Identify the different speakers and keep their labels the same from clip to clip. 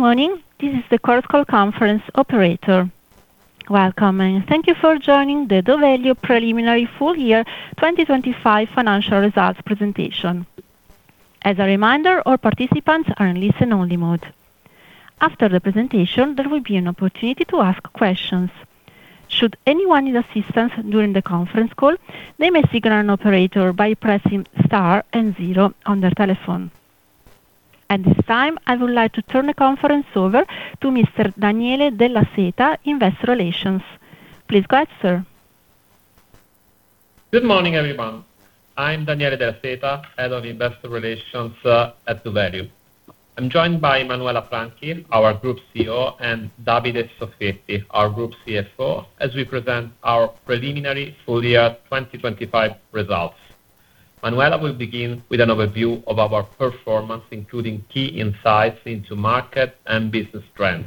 Speaker 1: Good morning. This is the Chorus Call conference operator. Welcome, thank you for joining the doValue Preliminary Full Year 2025 Financial Results presentation. As a reminder, all participants are in listen-only mode. After the presentation, there will be an opportunity to ask questions. Should anyone need assistance during the conference call, they may signal an operator by pressing Star and zero on their telephone. At this time, I would like to turn the conference over to Mr. Daniele Della Seta, Investor Relations. Please go ahead, sir.
Speaker 2: Good morning, everyone. I'm Daniele Della Seta, Head of Investor Relations, at doValue. I'm joined by Manuela Franchi, our Group CEO, and Davide Soffietti, our Group CFO, as we present our preliminary full year 2025 results. Manuela will begin with an overview of our performance, including key insights into market and business trends.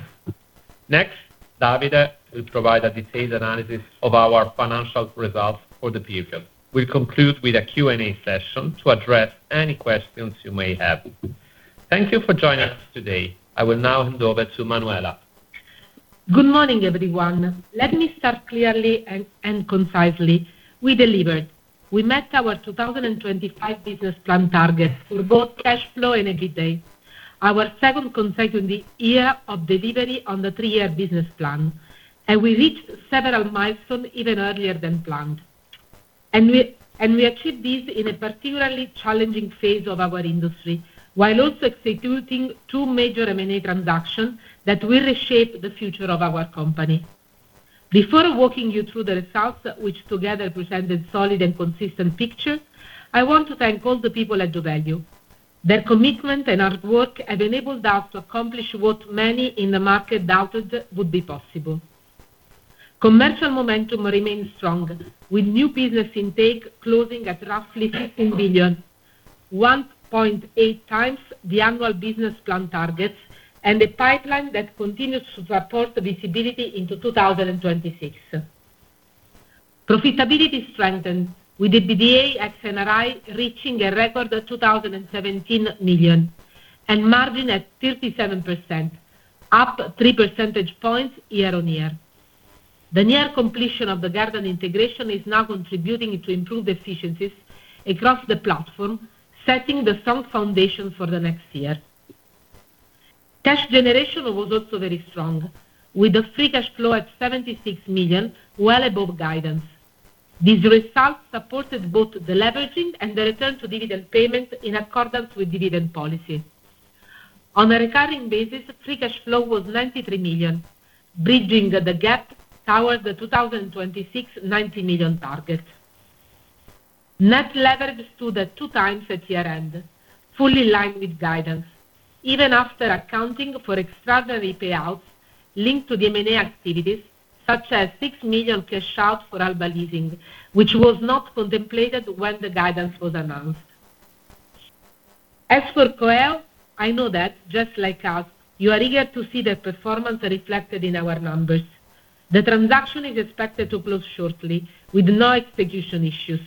Speaker 2: Next, Davide will provide a detailed analysis of our financial results for the period. We'll conclude with a Q&A session to address any questions you may have. Thank you for joining us today. I will now hand over to Manuela.
Speaker 3: Good morning, everyone. Let me start clearly and concisely. We delivered. We met our 2025 business plan targets for both cash flow and EBITDA, our second consecutive year of delivery on the three-year business plan. We reached several milestones even earlier than planned. We achieved this in a particularly challenging phase of our industry, while also executing two major M&A transactions that will reshape the future of our company. Before walking you through the results, which together presented solid and consistent picture, I want to thank all the people at doValue. Their commitment and hard work have enabled us to accomplish what many in the market doubted would be possible. Commercial momentum remains strong, with new business intake closing at roughly 10 billion, 1.8 times the annual business plan targets, and a pipeline that continues to support visibility into 2026. Profitability strengthened, with the EBITDA ex NRI reaching a record of 2,017 million, and margin at 37%, up 3 percentage points year-over-year. The near completion of the Gardant integration is now contributing to improved efficiencies across the platform, setting the sound foundation for the next year. Cash generation was also very strong, with the free cash flow at 76 million, well above guidance. These results supported both the leveraging and the return to dividend payments in accordance with dividend policy. On a recurring basis, free cash flow was 93 million, bridging the gap towards the 2026 90 million target. Net leverage stood at 2 times at year-end, fully in line with guidance, even after accounting for extraordinary payouts linked to the M&A activities, such as 6 million cash out for Alba Leasing, which was not contemplated when the guidance was announced. As for coeo, I know that, just like us, you are eager to see the performance reflected in our numbers. The transaction is expected to close shortly with no execution issues.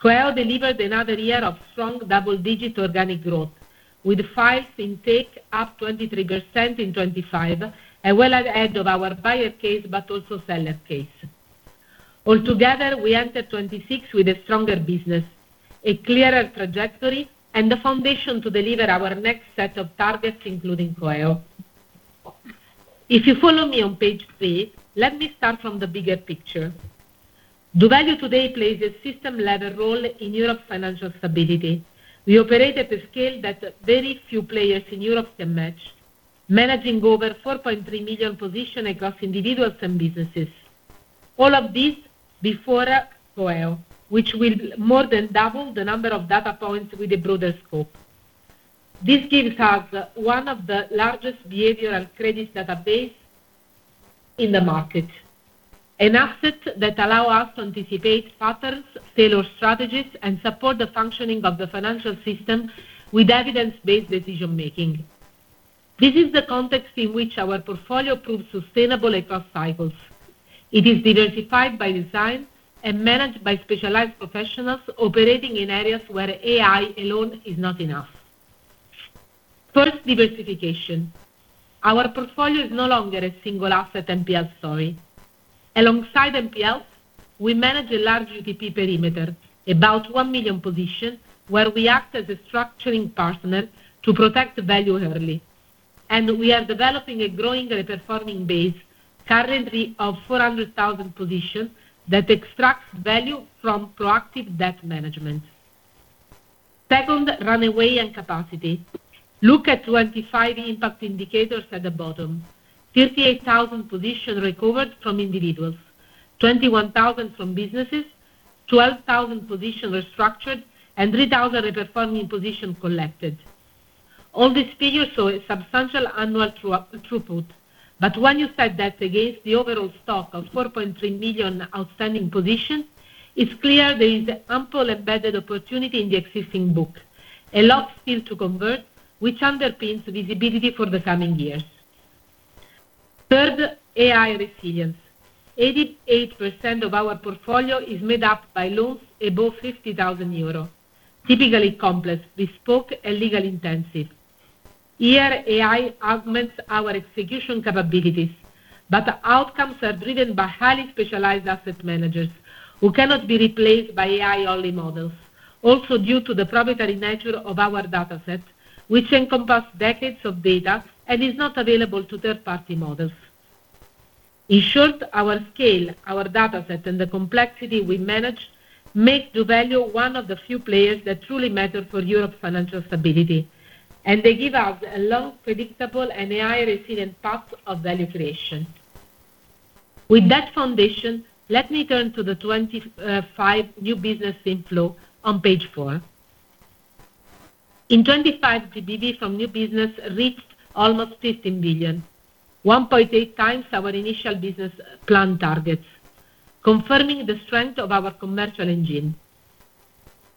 Speaker 3: coeo delivered another year of strong double-digit organic growth, with files intake up 23% in 2025, and well at the edge of our buyer case, but also seller case. Altogether, we enter 2026 with a stronger business, a clearer trajectory, and the foundation to deliver our next set of targets, including coeo. If you follow me on Page 3, let me start from the bigger picture. doValue today plays a system-level role in Europe financial stability. We operate at a scale that very few players in Europe can match, managing over 4.3 million position across individuals and businesses. All of this before coeo, which will more than double the number of data points with a broader scope. This gives us one of the largest behavioral credit database in the market, an asset that allow us to anticipate patterns, tailor strategies, and support the functioning of the financial system with evidence-based decision making. This is the context in which our portfolio proves sustainable across cycles. It is diversified by design and managed by specialized professionals operating in areas where AI alone is not enough. First, diversification. Our portfolio is no longer a single asset NPL story. Alongside NPL, we manage a large UTP perimeter, about 1 million positions, where we act as a structuring partner to protect value early. We are developing a growing reperforming base, currently of 400,000 positions, that extracts value from proactive debt management. Second, runway and capacity. Look at 25 impact indicators at the bottom. 58,000 positions recovered from individuals, 21,000 from businesses, 12,000 positions restructured, and 3,000 reperforming positions collected. All these figures show a substantial annual throughput. When you set that against the overall stock of 4.3 million outstanding positions, it's clear there is ample embedded opportunity in the existing book, a lot still to convert, which underpins visibility for the coming years. Third, AI resilience. 88% of our portfolio is made up by loans above 50,000 euros, typically complex, bespoke, and legal intensive. Here, AI augments our execution capabilities, but the outcomes are driven by highly specialized asset managers, who cannot be replaced by AI-only models, also due to the proprietary nature of our dataset, which encompass decades of data and is not available to third-party models. In short, our scale, our dataset, and the complexity we manage make doValue one of the few players that truly matter for Europe's financial stability, and they give us a long, predictable, and AI-resilient path of value creation. With that foundation, let me turn to the 25 new business inflow on Page 4. In 2025, GBV from new business reached almost 15 billion, 1.8 times our initial business plan targets, confirming the strength of our commercial engine.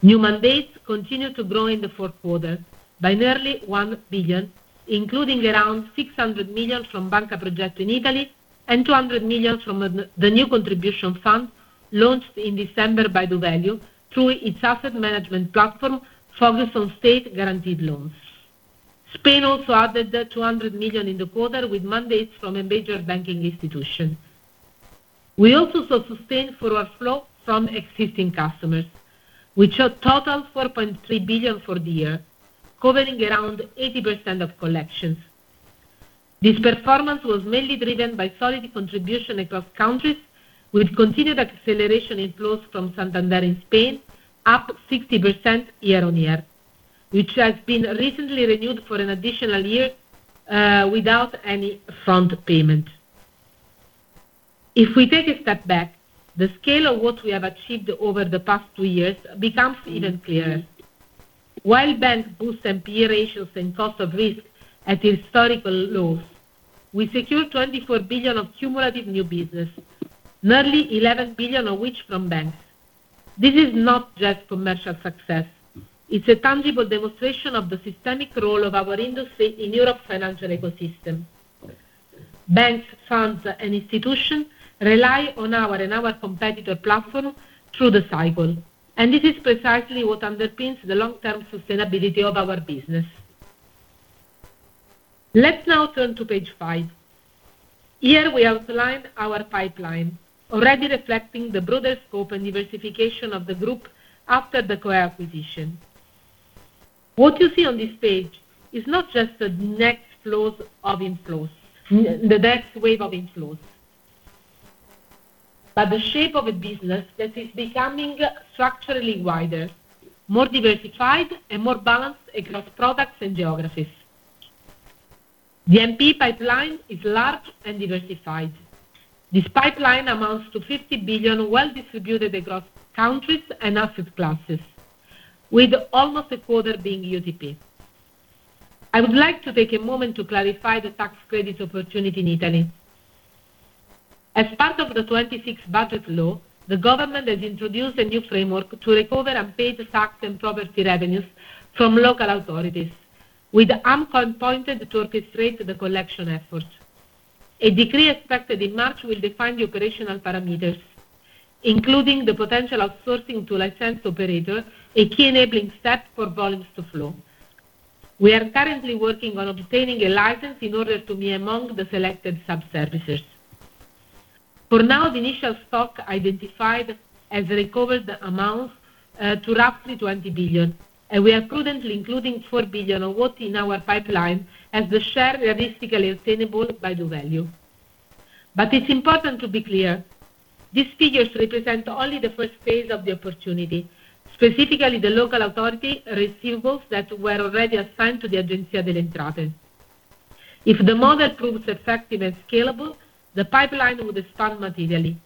Speaker 3: New mandates continued to grow in the Q4 by nearly 1 billion, including around 600 million from Banca Progetto in Italy, and 200 million from the new contribution fund launched in December by doValue through its asset management platform focused on state-guaranteed loans. Spain also added 200 million in the quarter with mandates from a major banking institution. We also saw sustained forward flow from existing customers, which totals 4.3 billion for the year, covering around 80% of collections. This performance was mainly driven by solid contribution across countries, with continued acceleration in flows from Santander in Spain, up 60% year-on-year, which has been recently renewed for an additional year, without any front payment. If we take a step back, the scale of what we have achieved over the past two years becomes even clearer. While banks boost NPL ratios and cost of risk at historical lows, we secured 24 billion of cumulative new business, nearly 11 billion of which from banks. This is not just commercial success. It's a tangible demonstration of the systemic role of our industry in Europe's financial ecosystem. Banks, funds, and institutions rely on our and our competitor platform through the cycle. This is precisely what underpins the long-term sustainability of our business. Let's now turn to Page 5. Here, we outline our pipeline, already reflecting the broader scope and diversification of the group after the coeo acquisition. What you see on this Page is not just the next wave of inflows, but the shape of a business that is becoming structurally wider, more diversified, and more balanced across products and geographies. The NPL pipeline is large and diversified. This pipeline amounts to 50 billion, well distributed across countries and asset classes, with almost a quarter being UTP. I would like to take a moment to clarify the tax credit opportunity in Italy. As part of the 2026 Budget Law, the government has introduced a new framework to recover unpaid tax and property revenues from local authorities, with AMCO appointed to orchestrate the collection effort. A decree expected in March will define the operational parameters, including the potential outsourcing to a licensed operator, a key enabling step for volumes to flow. We are currently working on obtaining a license in order to be among the selected sub-servicers. For now, the initial stock identified as recovered amounts to roughly 20 billion, and we are prudently including 4 billion of what in our pipeline as the share realistically obtainable by doValue. It's important to be clear, these figures represent only the first phase of the opportunity, specifically the local authority receivables that were already assigned to the Agenzia delle Entrate. If the model proves effective and scalable, the pipeline would expand materially,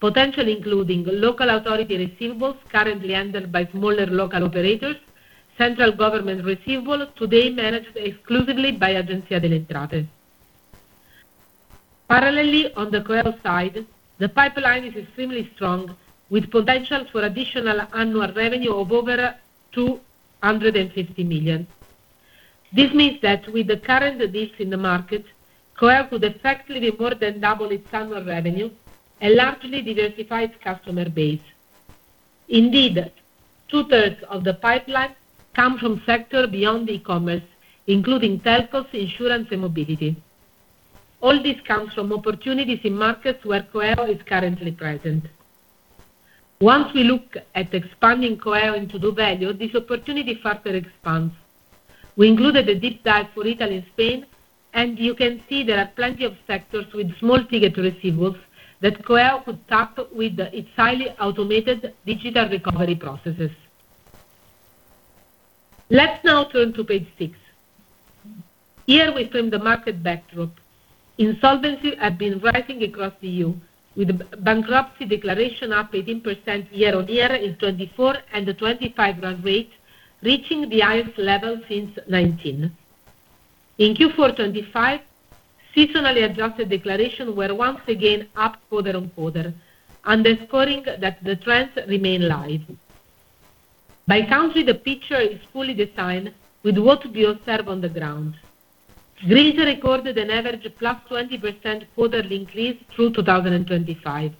Speaker 3: potentially including local authority receivables currently handled by smaller local operators, central government receivables today managed exclusively by Agenzia delle Entrate. Parallelly, on the coeo side, the pipeline is extremely strong, with potential for additional annual revenue of over 250 million. This means that with the current deals in the market, coeo could effectively more than double its annual revenue and largely diversify its customer base. Indeed, two-thirds of the pipeline come from sectors beyond e-commerce, including telcos, insurance, and mobility. All this comes from opportunities in markets where coeo is currently present. Once we look at expanding coeo into doValue, this opportunity further expands. We included a deep dive for Italy and Spain, and you can see there are plenty of sectors with small ticket receivables that coeo could tap with its highly automated digital recovery processes. Let's now turn to Page 6. Here we frame the market backdrop. Insolvency have been rising across the EU, with bankruptcy declaration up 18% year-on-year in 2024, and the 2025 rate reaching the highest level since 19. In Q4 2025, seasonally adjusted declaration were once again up quarter-on-quarter, underscoring that the trends remain live. By country, the picture is fully designed with what we observe on the ground. Greece recorded an average +20% quarterly increase through 2025.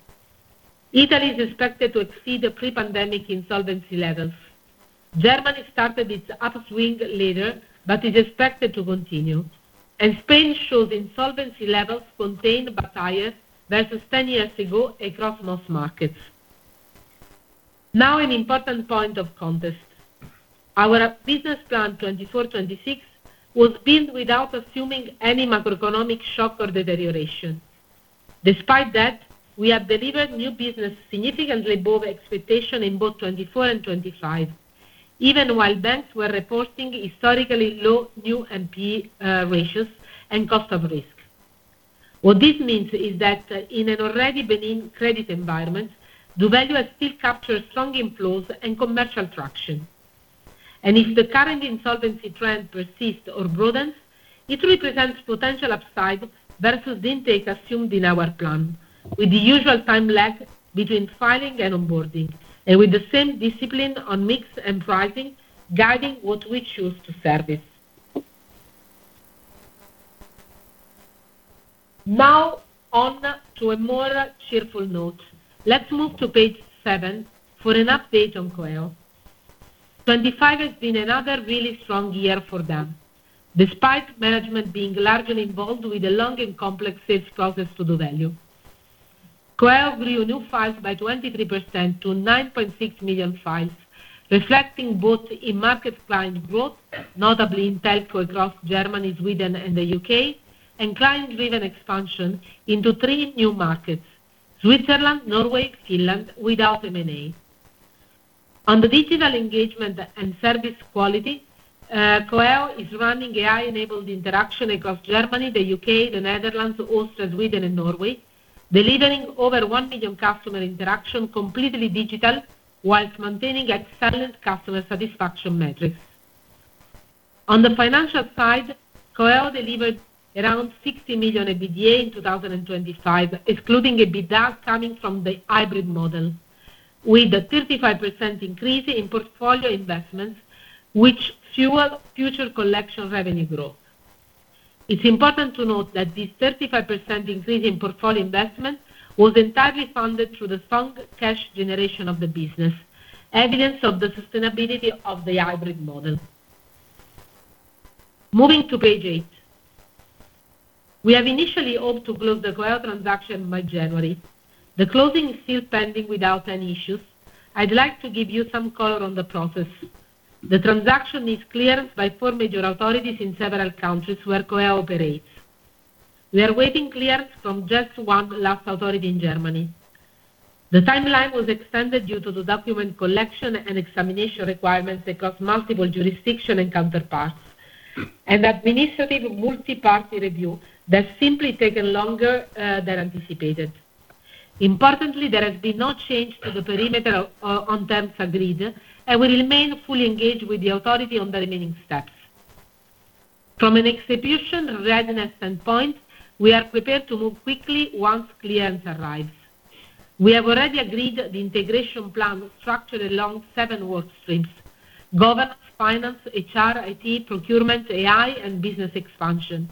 Speaker 3: Italy is expected to exceed the pre-pandemic insolvency levels. Germany started its upswing later, but is expected to continue, and Spain shows insolvency levels contained but higher versus 10 years ago across most markets. An important point of context. Our business plan 2024-2026 was built without assuming any macroeconomic shock or deterioration. Despite that, we have delivered new business significantly above expectation in both 2024 and 2025, even while banks were reporting historically low new NP ratios and cost of risk. What this means is that in an already benign credit environment, doValue has still captured strong inflows and commercial traction. If the current insolvency trend persists or broadens, it represents potential upside versus the intake assumed in our plan, with the usual time lag between filing and onboarding, and with the same discipline on mix and pricing, guiding what we choose to service. On to a more cheerful note. Let's move to Page 7 for an update on coeo. 2025 has been another really strong year for them, despite management being largely involved with the long and complex sales process to doValue. coeo grew new files by 23% to 9.6 million files, reflecting both in market client growth, notably in Telco across Germany, Sweden, and the U.K., and client-driven expansion into 3 new markets, Switzerland, Norway, Finland, without M&A. On the digital engagement and service quality, coeo is running AI-enabled interaction across Germany, the U.K., the Netherlands, Austria, Sweden, and Norway, delivering over 1 million customer interaction, completely digital, while maintaining excellent customer satisfaction metrics. On the financial side, coeo delivered around 60 million EBITDA in 2025, excluding EBITDA coming from the hybrid model, with a 35% increase in portfolio investments, which fuel future collection revenue growth. It's important to note that this 35% increase in portfolio investment was entirely funded through the strong cash generation of the business, evidence of the sustainability of the hybrid model. Moving to Page 8. We have initially hoped to close the coeo transaction by January. The closing is still pending without any issues. I'd like to give you some color on the process. The transaction needs clearance by 4 major authorities in several countries where coeo operates. We are waiting clearance from just 1 last authority in Germany. The timeline was extended due to the document collection and examination requirements across multiple jurisdiction and counterparts, and administrative multi-party review that simply taken longer than anticipated. Importantly, there has been no change to the perimeter on terms agreed, and we remain fully engaged with the authority on the remaining steps. From an execution readiness standpoint, we are prepared to move quickly once clearance arrives. We have already agreed the integration plan structured along seven work streams: governance, finance, HR, IT, procurement, AI, and business expansion,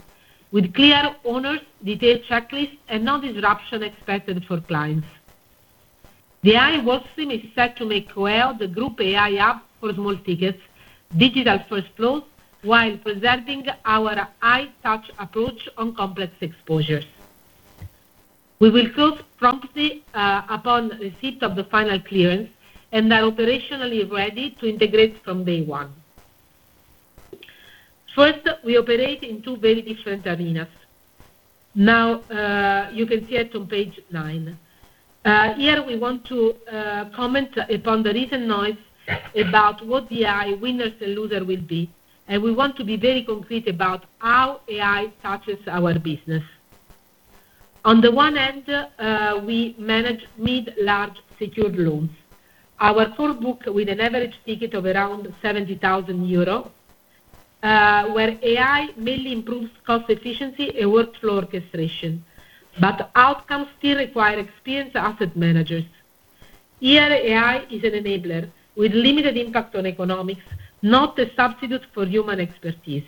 Speaker 3: with clear owners, detailed checklists, and no disruption expected for clients. The AI work stream is set to make coeo the group AI hub for small tickets, digital first flows, while preserving our high touch approach on complex exposures. We will close promptly upon receipt of the final clearance and are operationally ready to integrate from day one. First, we operate in two very different arenas. Now, you can see it on Page 9. Here we want to comment upon the recent noise about what the AI winners and loser will be, and we want to be very concrete about how AI touches our business. On the one end, we manage mid-large secured loans. Our full book, with an average ticket of around 70,000 euros, where AI mainly improves cost efficiency and workflow orchestration. Outcomes still require experienced asset managers. Here, AI is an enabler with limited impact on economics, not a substitute for human expertise.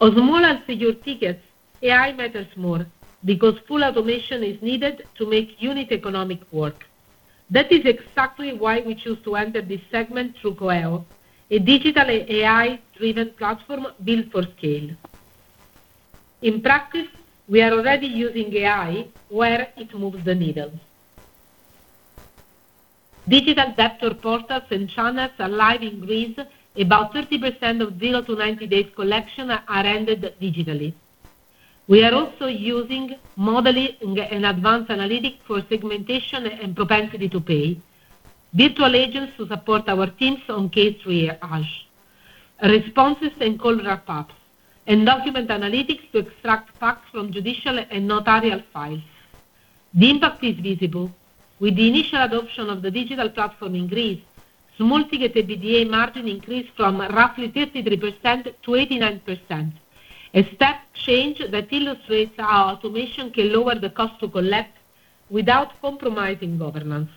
Speaker 3: On smaller secured tickets, AI matters more because full automation is needed to make unit economic work. That is exactly why we choose to enter this segment through coeo, a digital AI-driven platform built for scale. In practice, we are already using AI where it moves the needle. Digital debtor portals and channels are live in Greece. About 30% of 0-90 days collection are ended digitally. We are also using modeling and advanced analytics for segmentation and propensity to pay, virtual agents to support our teams on case triage, responses and call wrap-ups, and document analytics to extract facts from judicial and notarial files. The impact is visible. With the initial adoption of the digital platform in Greece, small ticket EBITDA margin increased from roughly 33% to 89%. A step change that illustrates how automation can lower the cost to collect without compromising governance.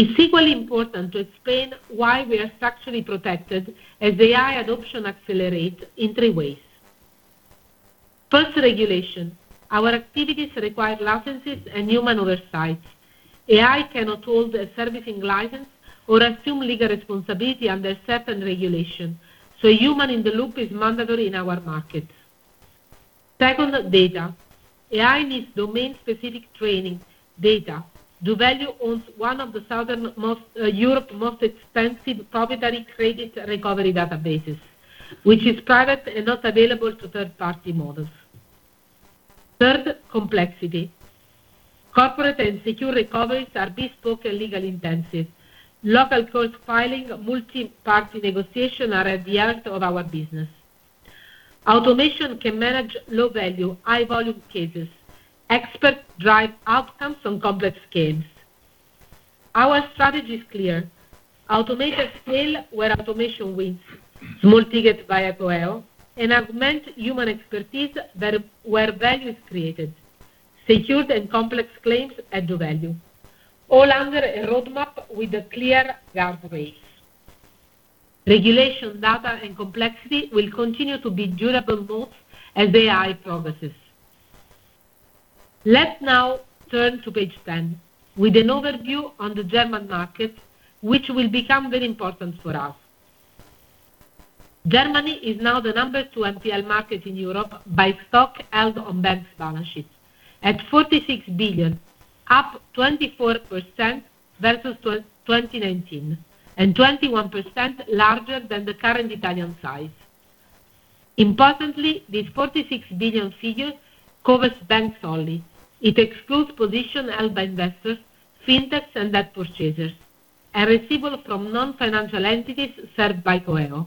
Speaker 3: It's equally important to explain why we are structurally protected as AI adoption accelerates in three ways. First, regulation. Our activities require licenses and human oversight. AI cannot hold a servicing license or assume legal responsibility under certain regulation, so human in the loop is mandatory in our market. Second, data. AI needs domain-specific training data. doValue owns one of the southern most Europe most extensive proprietary credit recovery databases, which is private and not available to third-party models. Third, complexity. Corporate and secure recoveries are bespoke and legal intensive. Local court filing, multi-party negotiation are at the heart of our business. Automation can manage low value, high volume cases. Experts drive outcomes on complex cases. Our strategy is clear: automate at scale where automation wins, small ticket via coeo, and augment human expertise where value is created, secured and complex claims at doValue, all under a roadmap with a clear guard rails. Regulation, data, and complexity will continue to be durable moats as AI progresses. Let's now turn to Page 10, with an overview on the German market, which will become very important for us. Germany is now the number two NPL market in Europe by stock held on banks' balance sheets, at 46 billion, up 24% versus 2019, and 21% larger than the current Italian size. Importantly, this 46 billion figure covers banks only. It excludes positions held by investors, fintechs, and debt purchasers, and receivable from non-financial entities served by coeo.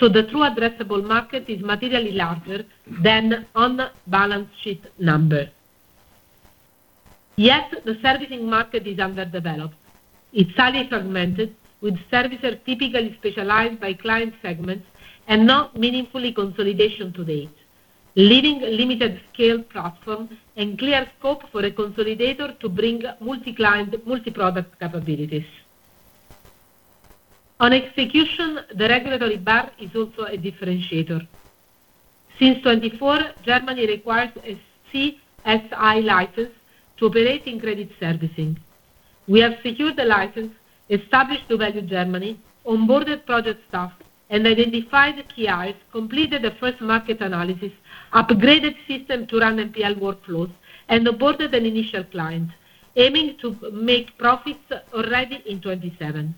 Speaker 3: The true addressable market is materially larger than on the balance sheet number. Yet, the servicing market is underdeveloped. It's highly fragmented, with servicers typically specialized by client segments and not meaningfully consolidation to date, leaving limited scale platform and clear scope for a consolidator to bring multi-client, multi-product capabilities. On execution, the regulatory bar is also a differentiator. Since 2024, Germany requires a CSI license to operate in credit servicing. We have secured the license, established doValue Germany, onboarded project staff, and identified KIs, completed the first market analysis, upgraded system to run NPL workflows, and onboarded an initial client, aiming to make profits already in 27.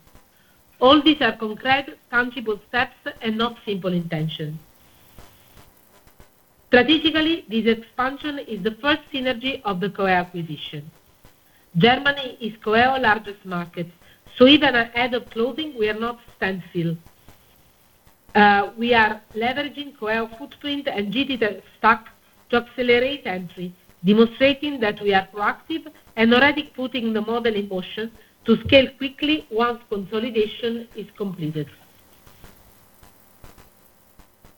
Speaker 3: All these are concrete, tangible steps and not simple intentions. Strategically, this expansion is the first synergy of the coeo acquisition. Germany is coeo largest market, even at head of clothing, we are not standstill. We are leveraging coeo footprint and digital stack to accelerate entry, demonstrating that we are proactive and already putting the model in motion to scale quickly once consolidation is completed.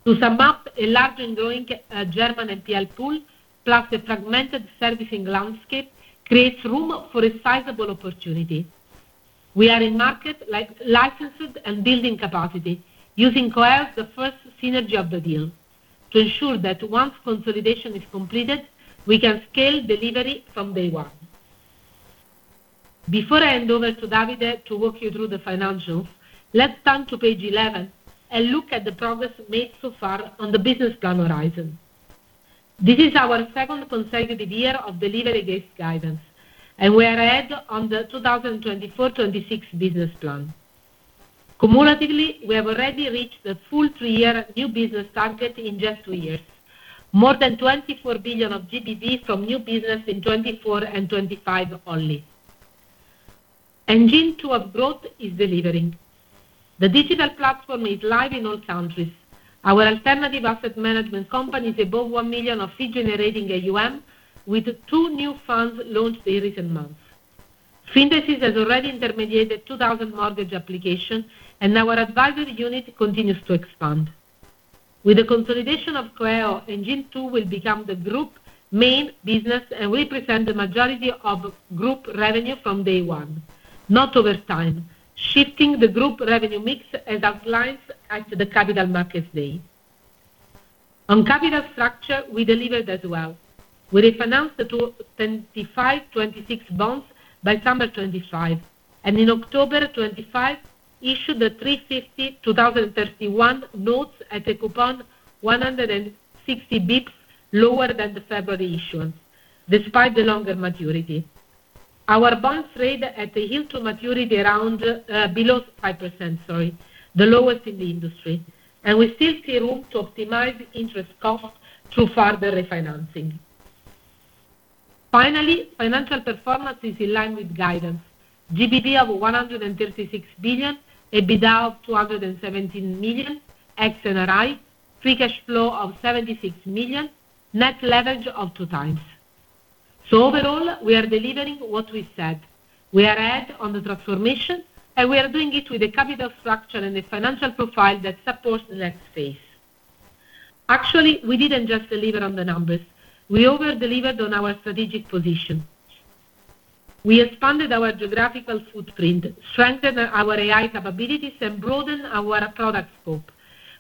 Speaker 3: To sum up, a large and growing German NPL pool, plus a fragmented servicing landscape, creates room for a sizable opportunity. We are in market licensed and building capacity, using coeo as the first synergy of the deal to ensure that once consolidation is completed, we can scale delivery from day one. Before I hand over to Davide to walk you through the financials, let's turn to Page 11 and look at the progress made so far on the business plan horizon. This is our second consecutive year of delivery-based guidance, and we are ahead on the 2024-2026 business plan. Cumulatively, we have already reached the full three-year new business target in just two years, more than 24 billion from new business in 2024 and 2025 only. Engine 2 of growth is delivering. The digital platform is live in all countries. Our alternative asset management company is above 1 million of fee generating AUM, with two new funds launched in recent months. Finarcis has already intermediated 2,000 mortgage applications, and our advisory unit continues to expand. With the consolidation of coeo, engine 2 will become the group main business and represent the majority of group revenue from day one, not over time, shifting the group revenue mix as outlined at the Capital Markets Day. On capital structure, we delivered as well. We refinanced the 2025, 2026 bonds by December 2025, and in October 2025, issued the 350, 2031 notes at a coupon 160 basis points lower than the February issuance, despite the longer maturity. Our bonds trade at a yield to maturity around below 5%, sorry, the lowest in the industry, and we still see room to optimize interest costs through further refinancing. Finally, financial performance is in line with guidance. GBV of EUR 136 billion, EBITDA of 217 million, ex NRI, free cash flow of 76 million, net leverage of 2 times. Overall, we are delivering what we said. We are ahead on the transformation, we are doing it with a capital structure and a financial profile that supports the next phase. Actually, we didn't just deliver on the numbers, we over-delivered on our strategic position. We expanded our geographical footprint, strengthened our AI capabilities, and broadened our product scope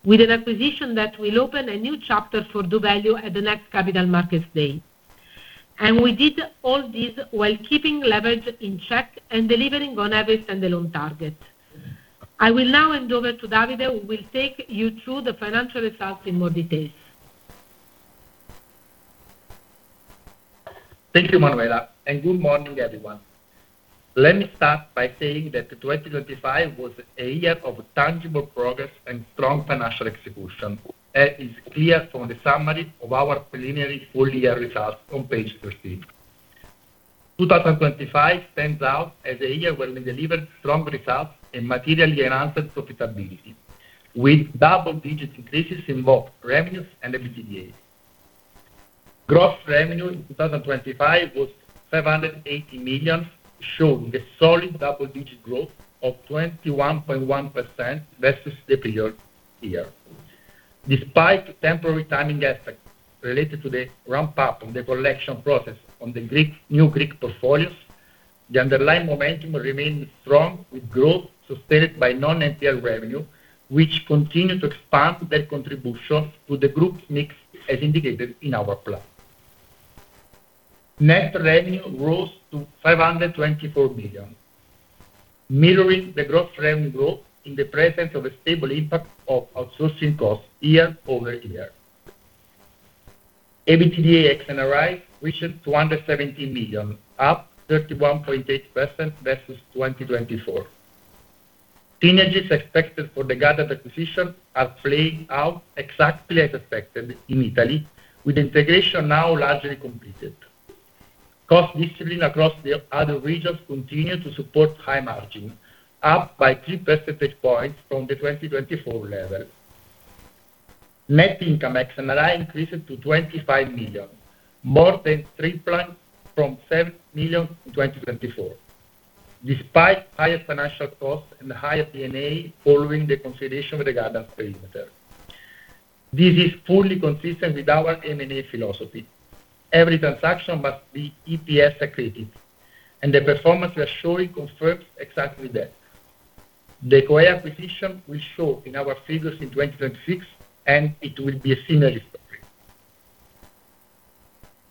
Speaker 3: with an acquisition that will open a new chapter for doValue at the next Capital Markets Day. We did all this while keeping leverage in check and delivering on every standalone target. I will now hand over to Davide, who will take you through the financial results in more details.
Speaker 4: Thank you, Manuela. Good morning, everyone. Let me start by saying that 2025 was a year of tangible progress and strong financial execution, as is clear from the summary of our preliminary full year results on Page 13. 2025 stands out as a year where we delivered strong results and materially enhanced profitability, with double-digit increases in both revenues and EBITDA. Gross revenue in 2025 was 580 million, showing a solid double-digit growth of 21.1% versus the previous year. Despite temporary timing aspects related to the ramp-up of the collection process on the new Greek portfolios, the underlying momentum remained strong, with growth sustained by non-NPL revenue, which continued to expand their contribution to the group's mix, as indicated in our plan. Net revenue rose to 524 billion, mirroring the gross revenue growth in the presence of a stable impact of outsourcing costs year-over-year. EBITDA ex NRI reached 217 million, up 31.8% versus 2024. Synergies expected for the Gardant acquisition are playing out exactly as expected in Italy, with integration now largely completed. Cost discipline across the other regions continued to support high margin, up by 3 percentage points from the 2024 level. Net income ex NRI increased to 25 million, more than tripling from 7 million in 2024, despite higher financial costs and higher D&A following the consolidation with the Gardant parameter. This is fully consistent with our M&A philosophy. Every transaction must be EPS accretive, and the performance we are showing confirms exactly that. The coeo acquisition will show in our figures in 2026. It will be a similar story.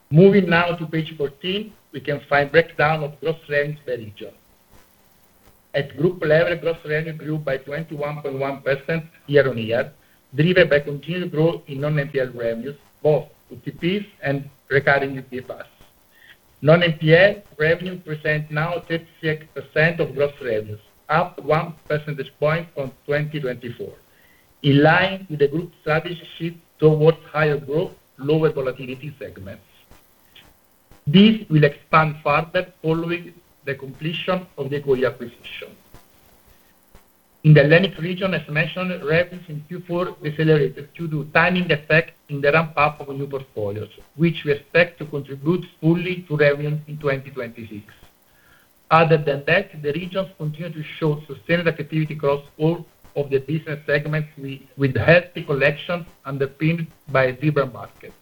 Speaker 4: Moving now to Page 14, we can find breakdown of gross revenues per region. At group level, gross revenue grew by 21.1% year-on-year, driven by continued growth in non-NPL revenues, both UTPs and recurring UPAS. Non-NPL revenue present now 36% of gross revenues, up 1 percentage point from 2024, in line with the group's strategy shift towards higher growth, lower volatility segments. This will expand further following the completion of the coeo acquisition. In the lending region, as mentioned, revenues in Q4 accelerated due to timing effect in the ramp-up of new portfolios, which we expect to contribute fully to revenue in 2026. Other than that, the regions continue to show sustained activity across all of the business segments with healthy collections underpinned by primary market.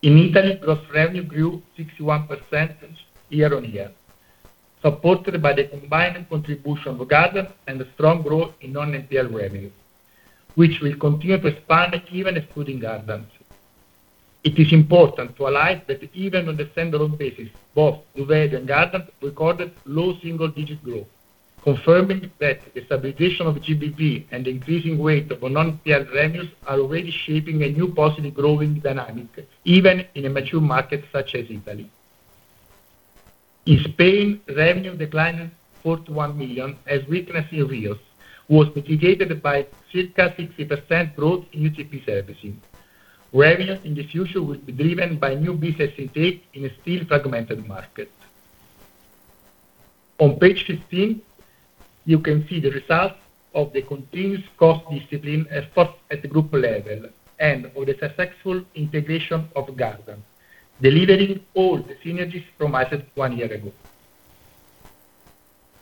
Speaker 4: In Italy, gross revenue grew 61% year-on-year, supported by the combined contribution of Gardant and the strong growth in non-NPL revenues, which will continue to expand even excluding Gardant. It is important to highlight that even on the standalone basis, both doValue and Gardant recorded low single-digit growth, confirming that the stabilization of GBV and the increasing weight of non-NPL revenues are already shaping a new positive growing dynamic, even in a mature market such as Italy. In Spain, revenue declined 41 million, as weakness in REOs was mitigated by circa 60% growth in UTP servicing. Revenue in the future will be driven by new business intake in a still fragmented market. On Page 15, you can see the results of the continuous cost discipline efforts at the group level and of the successful integration of Gardant, delivering all the synergies promised one year ago.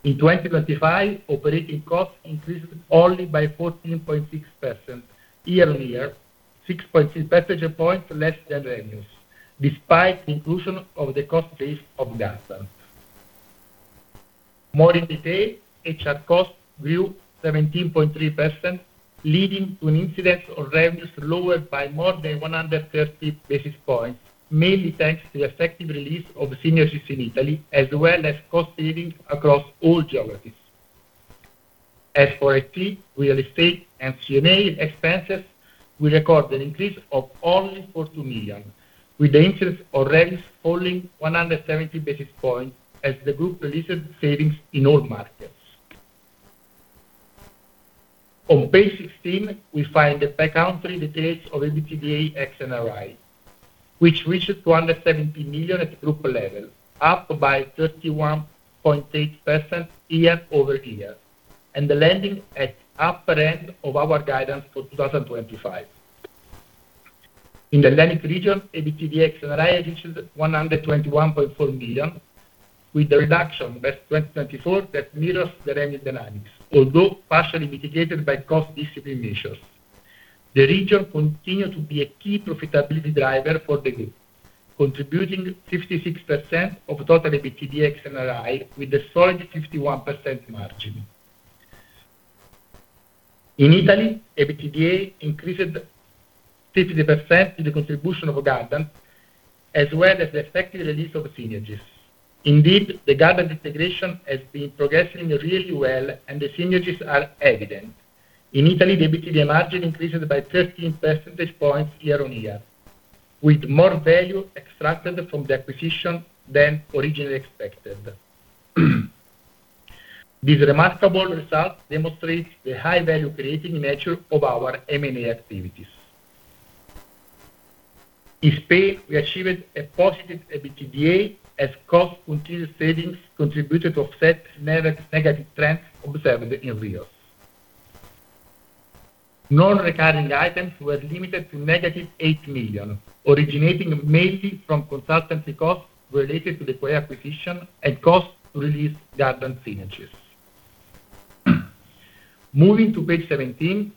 Speaker 4: In 2025, operating costs increased only by 14.6% year-on-year, 6.6 percentage points less than revenues, despite the inclusion of the cost base of Gardant. More in detail, HR costs grew 17.3%, leading to an incidence of revenues lowered by more than 130 basis points, mainly thanks to the effective release of synergies in Italy, as well as cost savings across all geographies. As for IT, real estate, and G&A expenses, we recorded an increase of only 42 million, with the interest or revenues falling 170 basis points as the group released savings in all markets. On Page 16, we find the per-country details of EBITDA ex NRI, which reached 217 million at group level, up by 31.8% year-over-year, and the lending at upper end of our guidance for 2025. In the Hellenic region, EBITDAX and NRI reached 121.4 million, with the reduction versus 2024 that mirrors the revenue dynamics, although partially mitigated by cost discipline measures. The region continued to be a key profitability driver for the group, contributing 56% of total EBITDAX and NRI, with a solid 51% margin. In Italy, EBITDA increased 50% to the contribution of Gardant, as well as the effective release of synergies. The Gardant integration has been progressing really well, and the synergies are evident. In Italy, the EBITDA margin increased by 13 percentage points year-on-year, with more value extracted from the acquisition than originally expected. This remarkable result demonstrates the high-value creating measure of our M&A activities. In Spain, we achieved a positive EBITDA as cost continued savings contributed to offset negative trends observed in REOs. Non-recurring items were limited to negative 8 million, originating mainly from consultancy costs related to the acquisition and costs to release Gardant synergies. Moving to Page 17,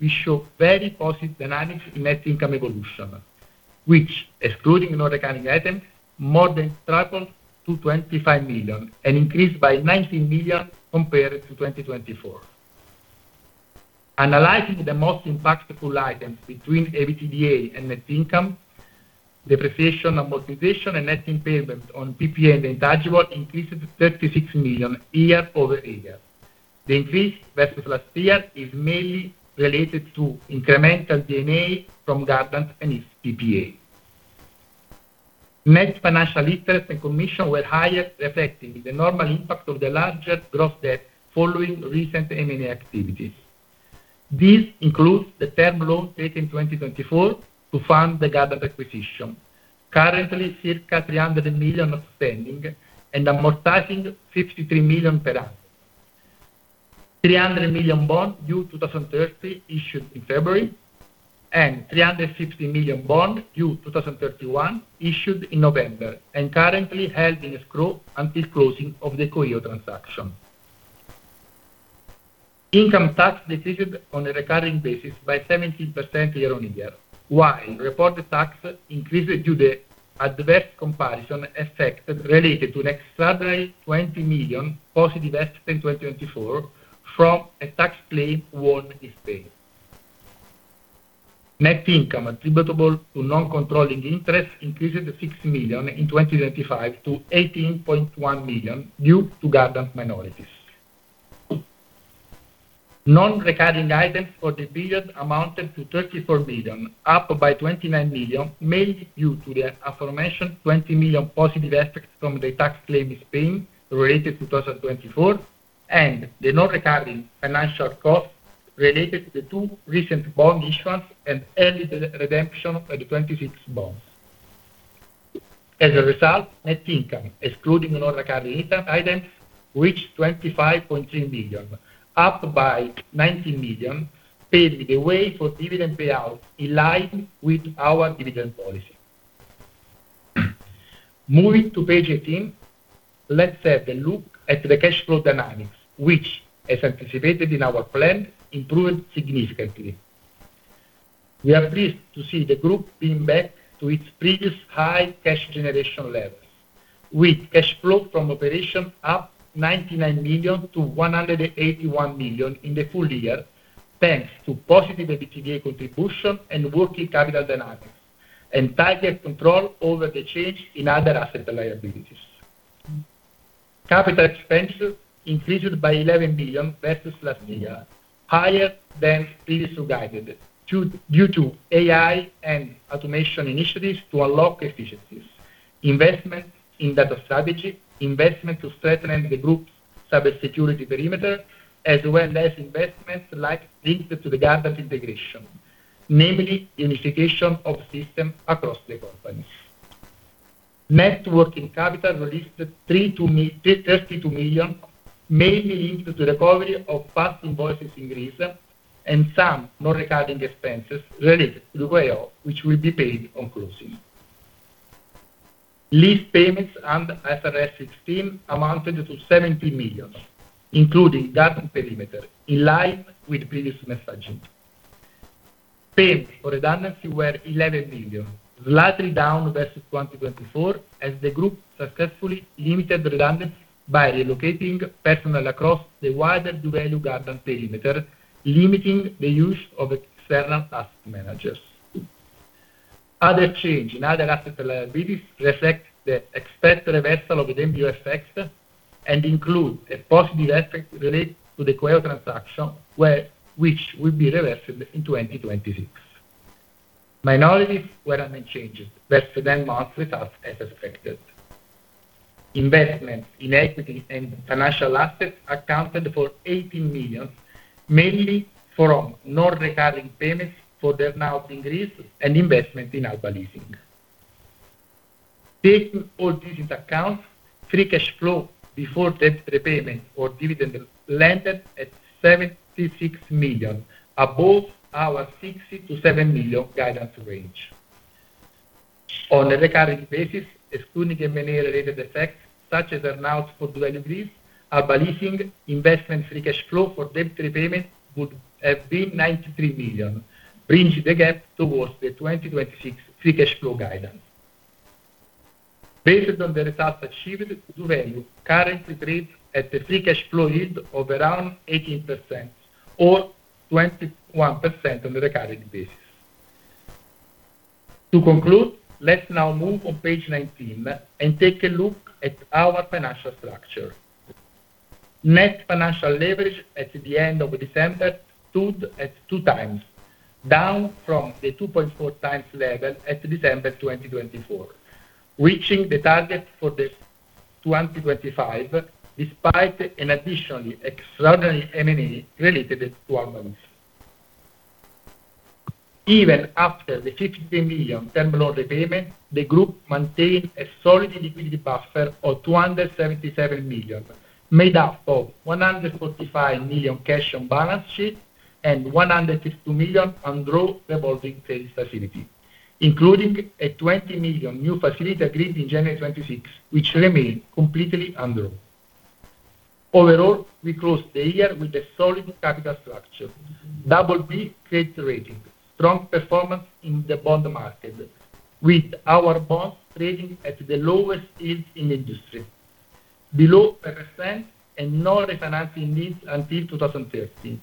Speaker 4: we show very positive dynamics in net income evolution, which, excluding non-recurring items, more than tripled to 25 million and increased by 19 million compared to 2024. Analyzing the most impactful items between EBITDA and net income, depreciation, amortization, and net impairment on PPA and intangible increased to 36 million year-over-year. The increase versus last year is mainly related to incremental D&A from Gardant and its PPA. Net financial interest and commission were higher, reflecting the normal impact of the larger gross debt following recent M&A activities. This includes the term loan taken in 2024 to fund the Gardant acquisition, currently circa 300 million outstanding and amortizing 53 million per annum. 300 million bond due 2030, issued in February, and 350 million bond due 2031, issued in November, and currently held in escrow until closing of the coeo transaction. Income tax decreased on a recurring basis by 17% year-on-year, while reported tax increased due to the adverse comparison effect related to an extraordinary 20 million positive effect in 2024 from a tax claim won in Spain. Net income attributable to non-controlling interest increased to 6 million in 2025 to 18.1 million due to Gardant minorities. Non-recurring items for the period amounted to 34 million, up by 29 million, mainly due to the aforementioned 20 million positive effects from the tax claim in Spain related to 2024, and the non-recurring financial costs related to the two recent bond issuance and early re-redemption of the 2026 bonds. As a result, net income, excluding non-recurring items, reached 25.3 billion, up by 19 billion, paving the way for dividend payout in line with our dividend policy. Moving to Page 18, let's have a look at the cash flow dynamics, which, as anticipated in our plan, improved significantly. We are pleased to see the group being back to its previous high cash generation levels, with cash flow from operation up 99 million to 181 million in the full year, thanks to positive EBITDA contribution and working capital dynamics, and tighter control over the change in other asset liabilities. Capital expenditure increased by 11 billion versus last year, higher than previously guided, due to AI and automation initiatives to unlock efficiencies, investment in data strategy, investment to strengthen the group's cybersecurity perimeter, as well as investments linked to the Gardant integration, namely unification of systems across the companies. Net working capital released 32 million, mainly linked to recovery of past invoices in Greece and some non-recurring expenses related to the coeo, which will be paid on closing. Lease payments and IFRS 16 amounted to 17 million, including Gardant perimeter, in line with previous messaging. Payments for redundancy were 11 million, slightly down versus 2024, as the group successfully limited redundancy by relocating personnel across the wider doValue Gardant perimeter, limiting the use of external task managers. Other change in other asset liabilities reflect the expected reversal of the MBO effects and include a positive effect related to the coeo transaction, which will be reversed in 2026. Minorities were unchanged versus then marked with us as expected. Investments in equity and financial assets accounted for 18 million, mainly from non-recurring payments for the out in Greece and investment in Alba Leasing. Taking all this into account, free cash flow before debt repayment or dividend landed at 76 million, above our 60 million-70 million guidance range. On a recurring basis, excluding M&A-related effects such as earn out for doValue Greece, our belief investment free cash flow for debt repayment would have been 93 million, bridge the gap towards the 2026 free cash flow guidance. Based on the results achieved, doValue currently trades at the free cash flow yield of around 18% or 21% on the recurring basis. To conclude, let's now move on Page 19, and take a look at our financial structure. Net financial leverage at the end of December stood at 2x, down from the 2.4x level at December 2024, reaching the target for 2025, despite an additionally extraordinary M&A related to amendments. Even after the 50 million term loan repayment, the group maintained a solid liquidity buffer of 277 million, made up of 145 million cash on balance sheet and 152 million undrawn revolving facility, including a 20 million new facility agreed in January 2026, which remain completely undrawn. Overall, we closed the year with a solid capital structure, double B credit rating, strong performance in the bond market, with our bonds trading at the lowest yield in the industry, below percent and no refinancing needs until 2030.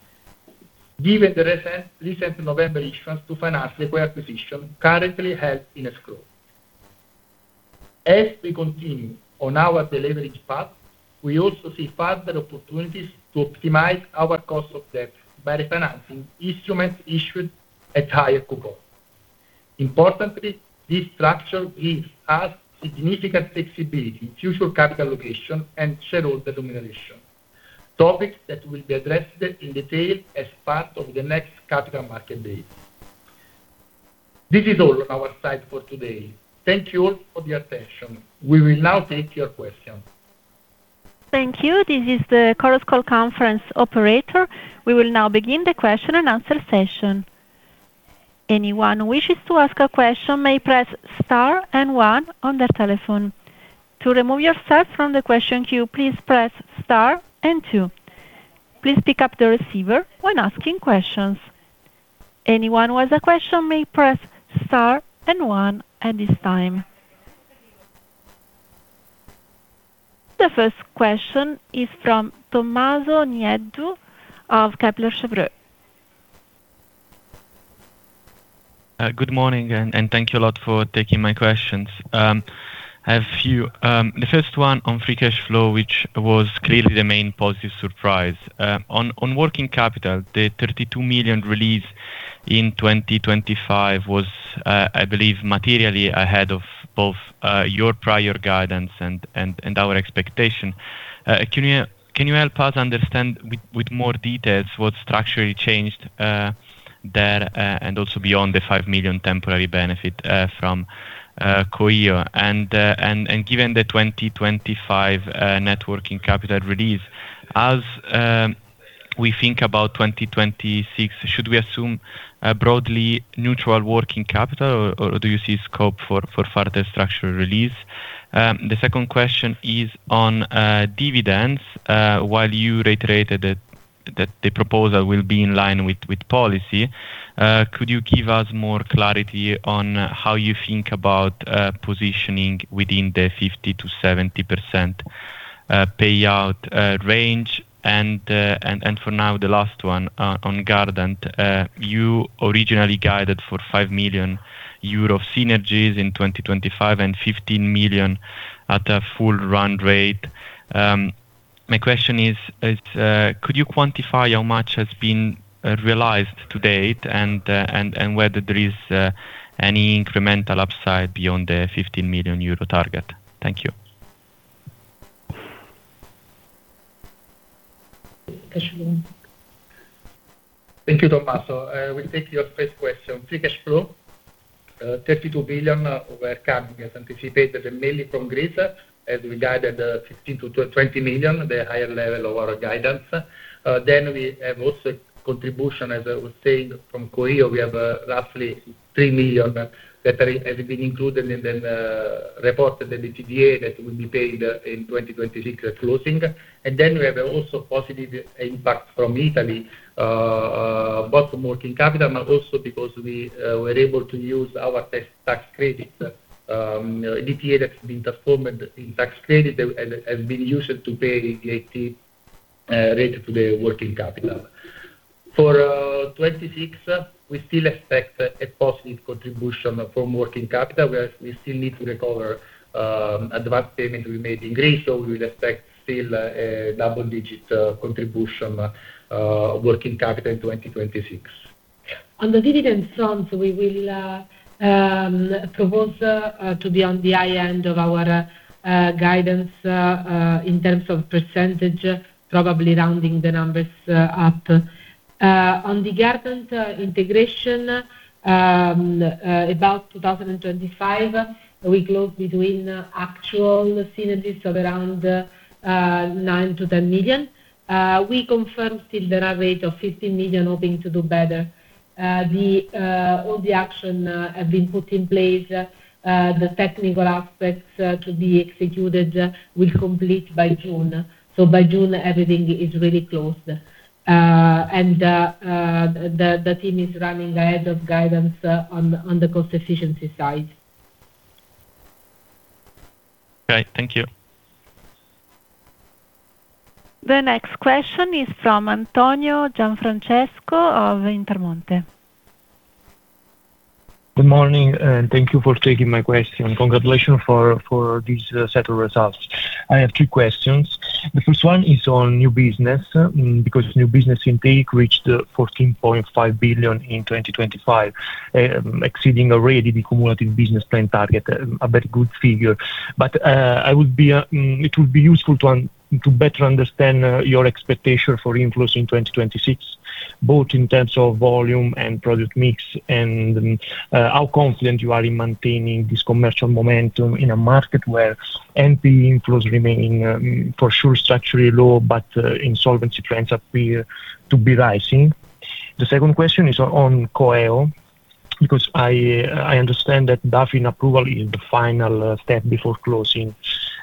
Speaker 4: Given the recent November issuance to finance the acquisition currently held in escrow. As we continue on our deleverage path, we also see further opportunities to optimize our cost of debt by refinancing instruments issued at higher coupon. Importantly, this structure gives us significant flexibility, future capital allocation, and general denomination, topics that will be addressed in detail as part of the next Capital Markets Day. This is all on our side for today. Thank you for your attention. We will now take your questions.
Speaker 1: Thank you. This is the Chorus Call conference operator. We will now begin the question-and-answer session. Anyone who wishes to ask a question may press star and 1 on their telephone. To remove yourself from the question queue, please press star and two. Please pick up the receiver when asking questions. Anyone who has a question may press star and one at this time. The first question is from Tommaso Nieddu of Kepler Cheuvreux.
Speaker 5: Good morning, and thank you a lot for taking my questions. I have a few. The first one on free cash flow, which was clearly the main positive surprise. On working capital, the 32 million release in 2025 was, I believe, materially ahead of both your prior guidance and our expectation. Can you help us understand with more details what structurally changed there, and also beyond the 5 million temporary benefit from coeo? Given the 2025 net working capital release, as we think about 2026, should we assume broadly neutral working capital, or do you see scope for further structural release? The second question is on dividends. While you reiterated that the proposal will be in line with policy, could you give us more clarity on how you think about positioning within the 50%-70% payout range? For now, the last one on Gardant. You originally guided for 5 million euro synergies in 2025 and 15 million at a full run rate. My question is, could you quantify how much has been realized to date, and whether there is any incremental upside beyond the 15 million euro target? Thank you.
Speaker 4: Thank you, Tommaso. We'll take your first question. Free cash flow, 32 billion were coming, as anticipated, mainly from Greece, as we guided, 15 million-20 million, the higher level of our guidance. We have also contribution, as I was saying, from coeo, we have, roughly 3 million that has been included in the report, the DTA, that will be paid in 2026 at closing. We have also positive impact from Italy, both from working capital, but also because we were able to use our tax credit, DTA that's been transformed in tax credit and been used to pay related to the working capital. For 2026, we still expect a positive contribution from working capital, where we still need to recover advanced payment we made in Greece. We will expect still a double-digit contribution working capital in 2026.
Speaker 3: On the dividend front, we will propose to be on the high end of our guidance in terms of percentage, probably rounding the numbers up. On the Gardant integration, about 2025, we close between actual synergies of around 9 million-10 million. We confirm still there are rate of 15 million hoping to do better. The all the action have been put in place, the technical aspects to be executed will complete by June. By June, everything is really closed. The team is running ahead of guidance on the cost efficiency side.
Speaker 5: Great. Thank you.
Speaker 1: The next question is from Antonio Gianfrancesco of Intermonte.
Speaker 6: Good morning. Thank you for taking my question. Congratulations for this set of results. I have two questions. The first one is on new business, because new business intake reached 14.5 billion in 2025, exceeding already the cumulative business plan target, a very good figure. It would be useful to better understand your expectation for inflows in 2026, both in terms of volume and product mix, how confident you are in maintaining this commercial momentum in a market where NPL inflows remaining, for sure, structurally low, insolvency trends appear to be rising. The second question is on coeo, I understand that BaFin approval is the final step before closing.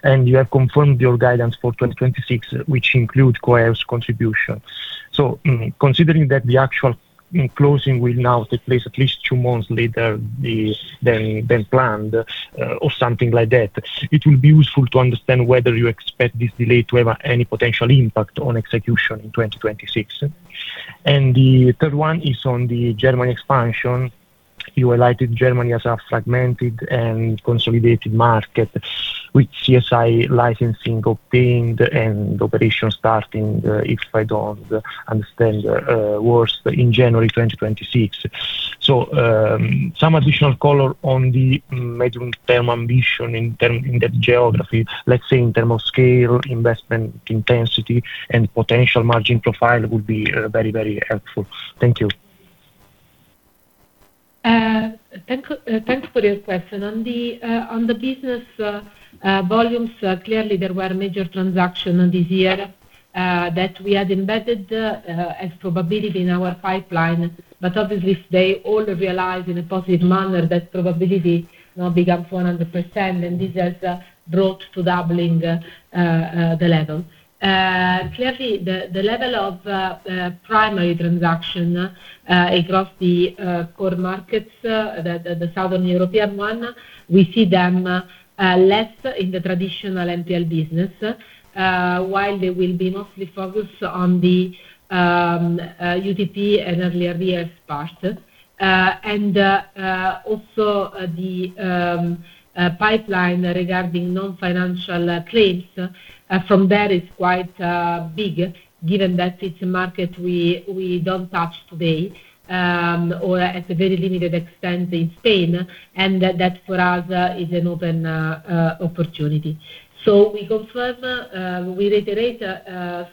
Speaker 6: You have confirmed your guidance for 2026, which include coeo's contribution. Considering that the actual closing will now take place at least 2 months later than planned, or something like that, it will be useful to understand whether you expect this delay to have any potential impact on execution in 2026. The 3rd one is on the Germany expansion. You highlighted Germany as a fragmented and consolidated market, with CSI licensing obtained and operation starting, if I don't understand worse in January 2026. Some additional color on the medium-term ambition in that geography, let's say, in term of scale, investment, intensity, and potential margin profile would be very, very helpful. Thank you.
Speaker 3: Thanks for your question. On the business volumes, clearly there were major transaction on this year that we had embedded as probability in our pipeline, but obviously they all realized in a positive manner that probability now becomes 400%, and this has brought to doubling the level. Clearly, the level of primary transaction across the core markets, the Southern European one, we see them less in the traditional NPL business, while they will be mostly focused on the UTP and earlier BS part. Also, the pipeline regarding non-financial claims from there is quite big, given that it's a market we don't touch today, or at a very limited extent in Spain, and that for us is an open opportunity. We confirm, we reiterate,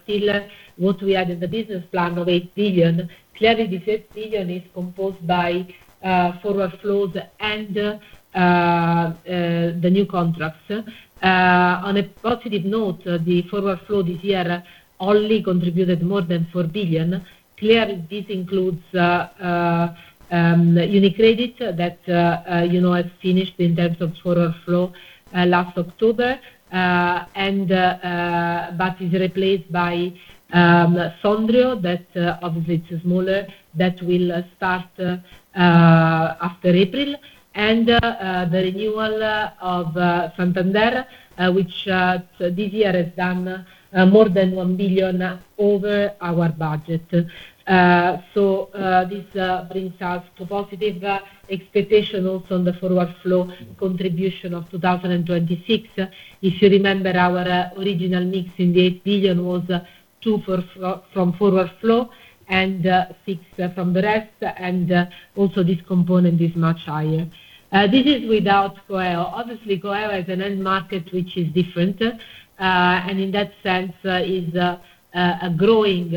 Speaker 3: still what we had in the business plan of 8 billion. Clearly, this 8 billion is composed by forward flows and the new contracts. On a positive note, the forward flow this year only contributed more than 4 billion. Clearly, this includes UniCredit, that, you know, has finished in terms of forward flow last October, and but is replaced by Sondrio, that obviously it's smaller, that will start after April. The renewal of Santander, which this year has done more than 1 billion over our budget. This brings us to positive expectation also on the forward flow contribution of 2026. If you remember, our original mix in the 8 billion was 2 from forward flow and 6 from the rest, and also this component is much higher. This is without coeo. Obviously, coeo is an end market, which is different, and in that sense, is a growing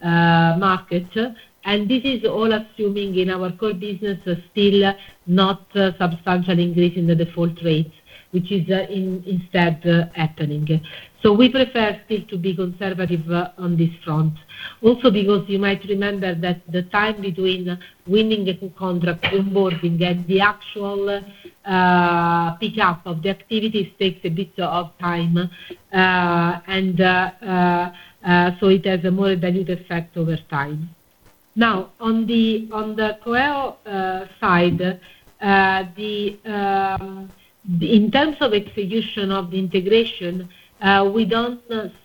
Speaker 3: market. This is all assuming in our core business, still not substantial increase in the default rates, which is instead happening. We prefer still to be conservative on this front. Because you might remember that the time between winning the contract, onboarding and the actual pick up of the activities takes a bit of time, it has a more dilute effect over time. On the coeo side, in terms of execution of the integration? We don't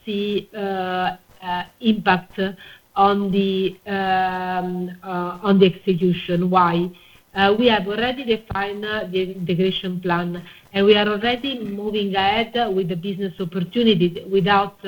Speaker 3: see impact on the execution. Why? We have already defined the integration plan, we are already moving ahead with the business opportunities without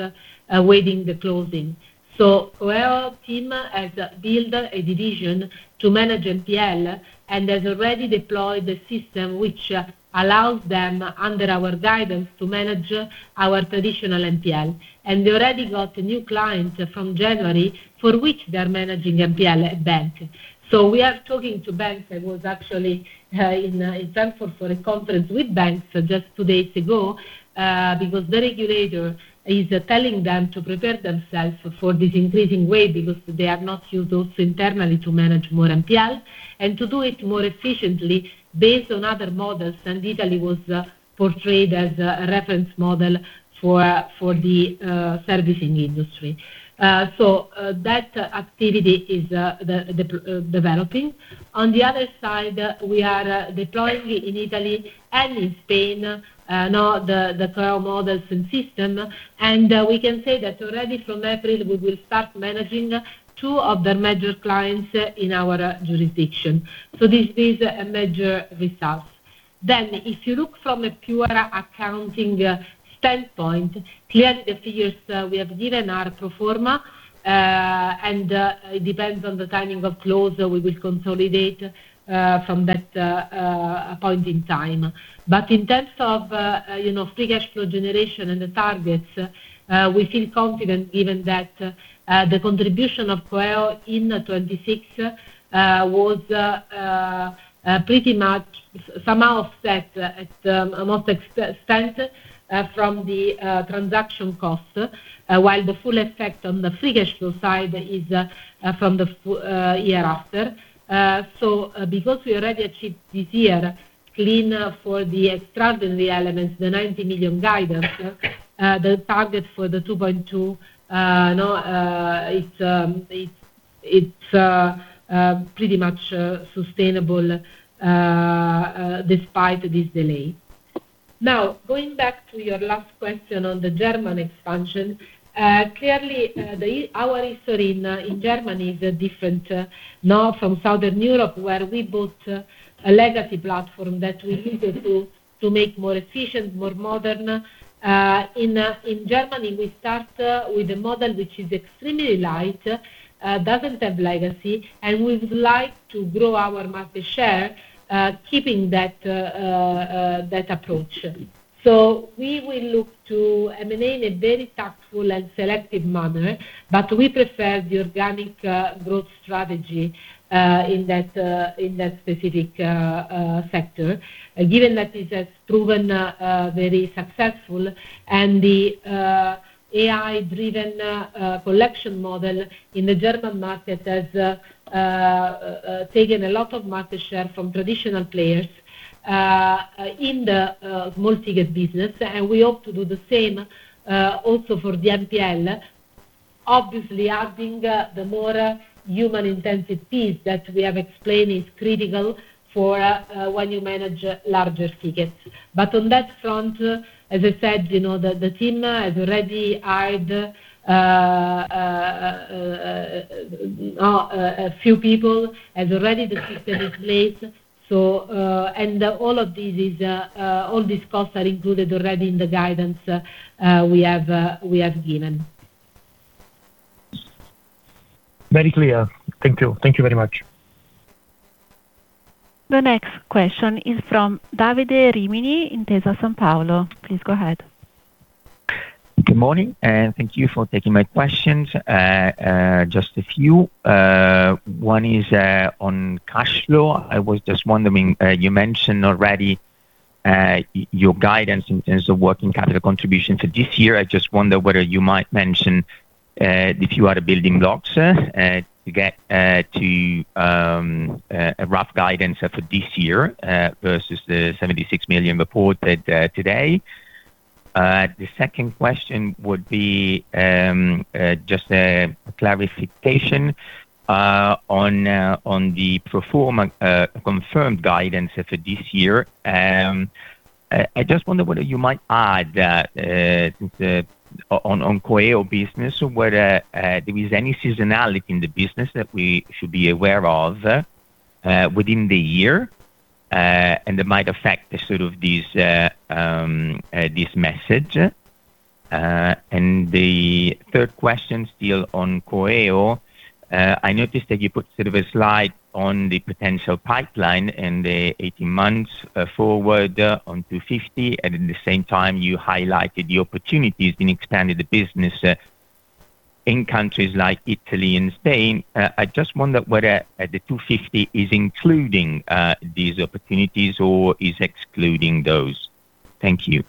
Speaker 3: awaiting the closing. Our team has built a division to manage NPL, has already deployed the system, which allows them, under our guidance, to manage our traditional NPL. They already got new clients from January, for which they are managing NPL bank. We are talking to banks, I was actually, in Frankfurt for a conference with banks just two days ago, because the regulator is telling them to prepare themselves for this increasing wave, because they are not used also internally to manage more NPL, and to do it more efficiently based on other models. Italy was portrayed as a reference model for the servicing industry. That activity is the developing. On the other side, we are deploying in Italy and in Spain, now, the trial models and system, we can say that already from April, we will start managing two of their major clients in our jurisdiction. This is a major result. If you look from a pure accounting standpoint, clearly the figures we have given are pro forma, and it depends on the timing of close, we will consolidate from that point in time. In terms of, you know, free cash flow generation and the targets, we feel confident, given that the contribution of coeo in 2026 was pretty much somehow offset at almost spent from the transaction costs, while the full effect on the free cash flow side is from the year after. Because we already achieved this year, clean for the extraordinary elements, the 90 million guidance, the target for the 2.2, you know, it's, it's pretty much sustainable, despite this delay. Going back to your last question on the German expansion. Clearly, Our history in Germany is different now from Southern Europe, where we bought a legacy platform that we needed to make more efficient, more modern. In Germany, we start with a model which is extremely light, doesn't have legacy, and we would like to grow our market share, keeping that approach. We will look to M&A in a very thoughtful and selective manner, but we prefer the organic growth strategy in that specific sector. Given that it has proven very successful, and the AI-driven collection model in the German market has taken a lot of market share from traditional players in the multi-ticket business, and we hope to do the same also for the NPL. Obviously, adding the more human-intensive piece that we have explained is critical for when you manage larger tickets. On that front, as I said, you know, the team has already hired a few people, has already the system in place. All of these is all these costs are included already in the guidance we have given.
Speaker 6: Very clear. Thank you. Thank you very much.
Speaker 1: The next question is from Davide Rimini, Intesa Sanpaolo. Please go ahead.
Speaker 7: Good morning, and thank you for taking my questions. Just a few. One is on cash flow. I was just wondering, you mentioned already your guidance in terms of working capital contribution for this year. I just wonder whether you might mention the few other building blocks to get to a rough guidance for this year versus the 76 million reported today. The second question would be just a clarification on the pro forma confirmed guidance for this year. I just wonder whether you might add that on coeo business, whether there is any seasonality in the business that we should be aware of within the year, and that might affect the sort of these this message. The third question, still on coeo. I noticed that you put sort of a slide on the potential pipeline in the 18 months, forward on 250, and at the same time, you highlighted the opportunities in expanding the business, in countries like Italy and Spain. I just wonder whether the 250 is including these opportunities or is excluding those. Thank you.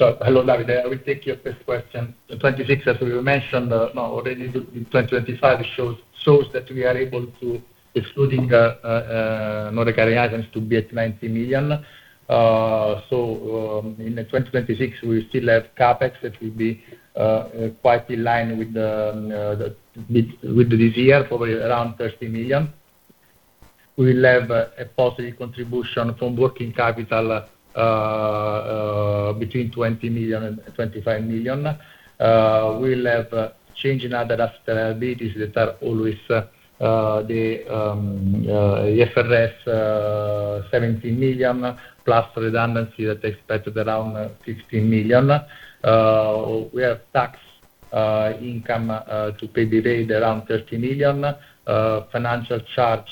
Speaker 4: Hello, Davide. I will take your first question. The 2026, as we mentioned, already in 2025, shows that we are able to excluding non-recurring items, to be at 90 million. In the 2026, we still have CapEx that will be quite in line with this year, probably around 30 million. We will have a positive contribution from working capital between 20 million and 25 million. We will have change in other liabilities that are always the FRS, 17 million, plus redundancy that expected around 15 million. We have tax income to pay divided around 13 million. Financial charge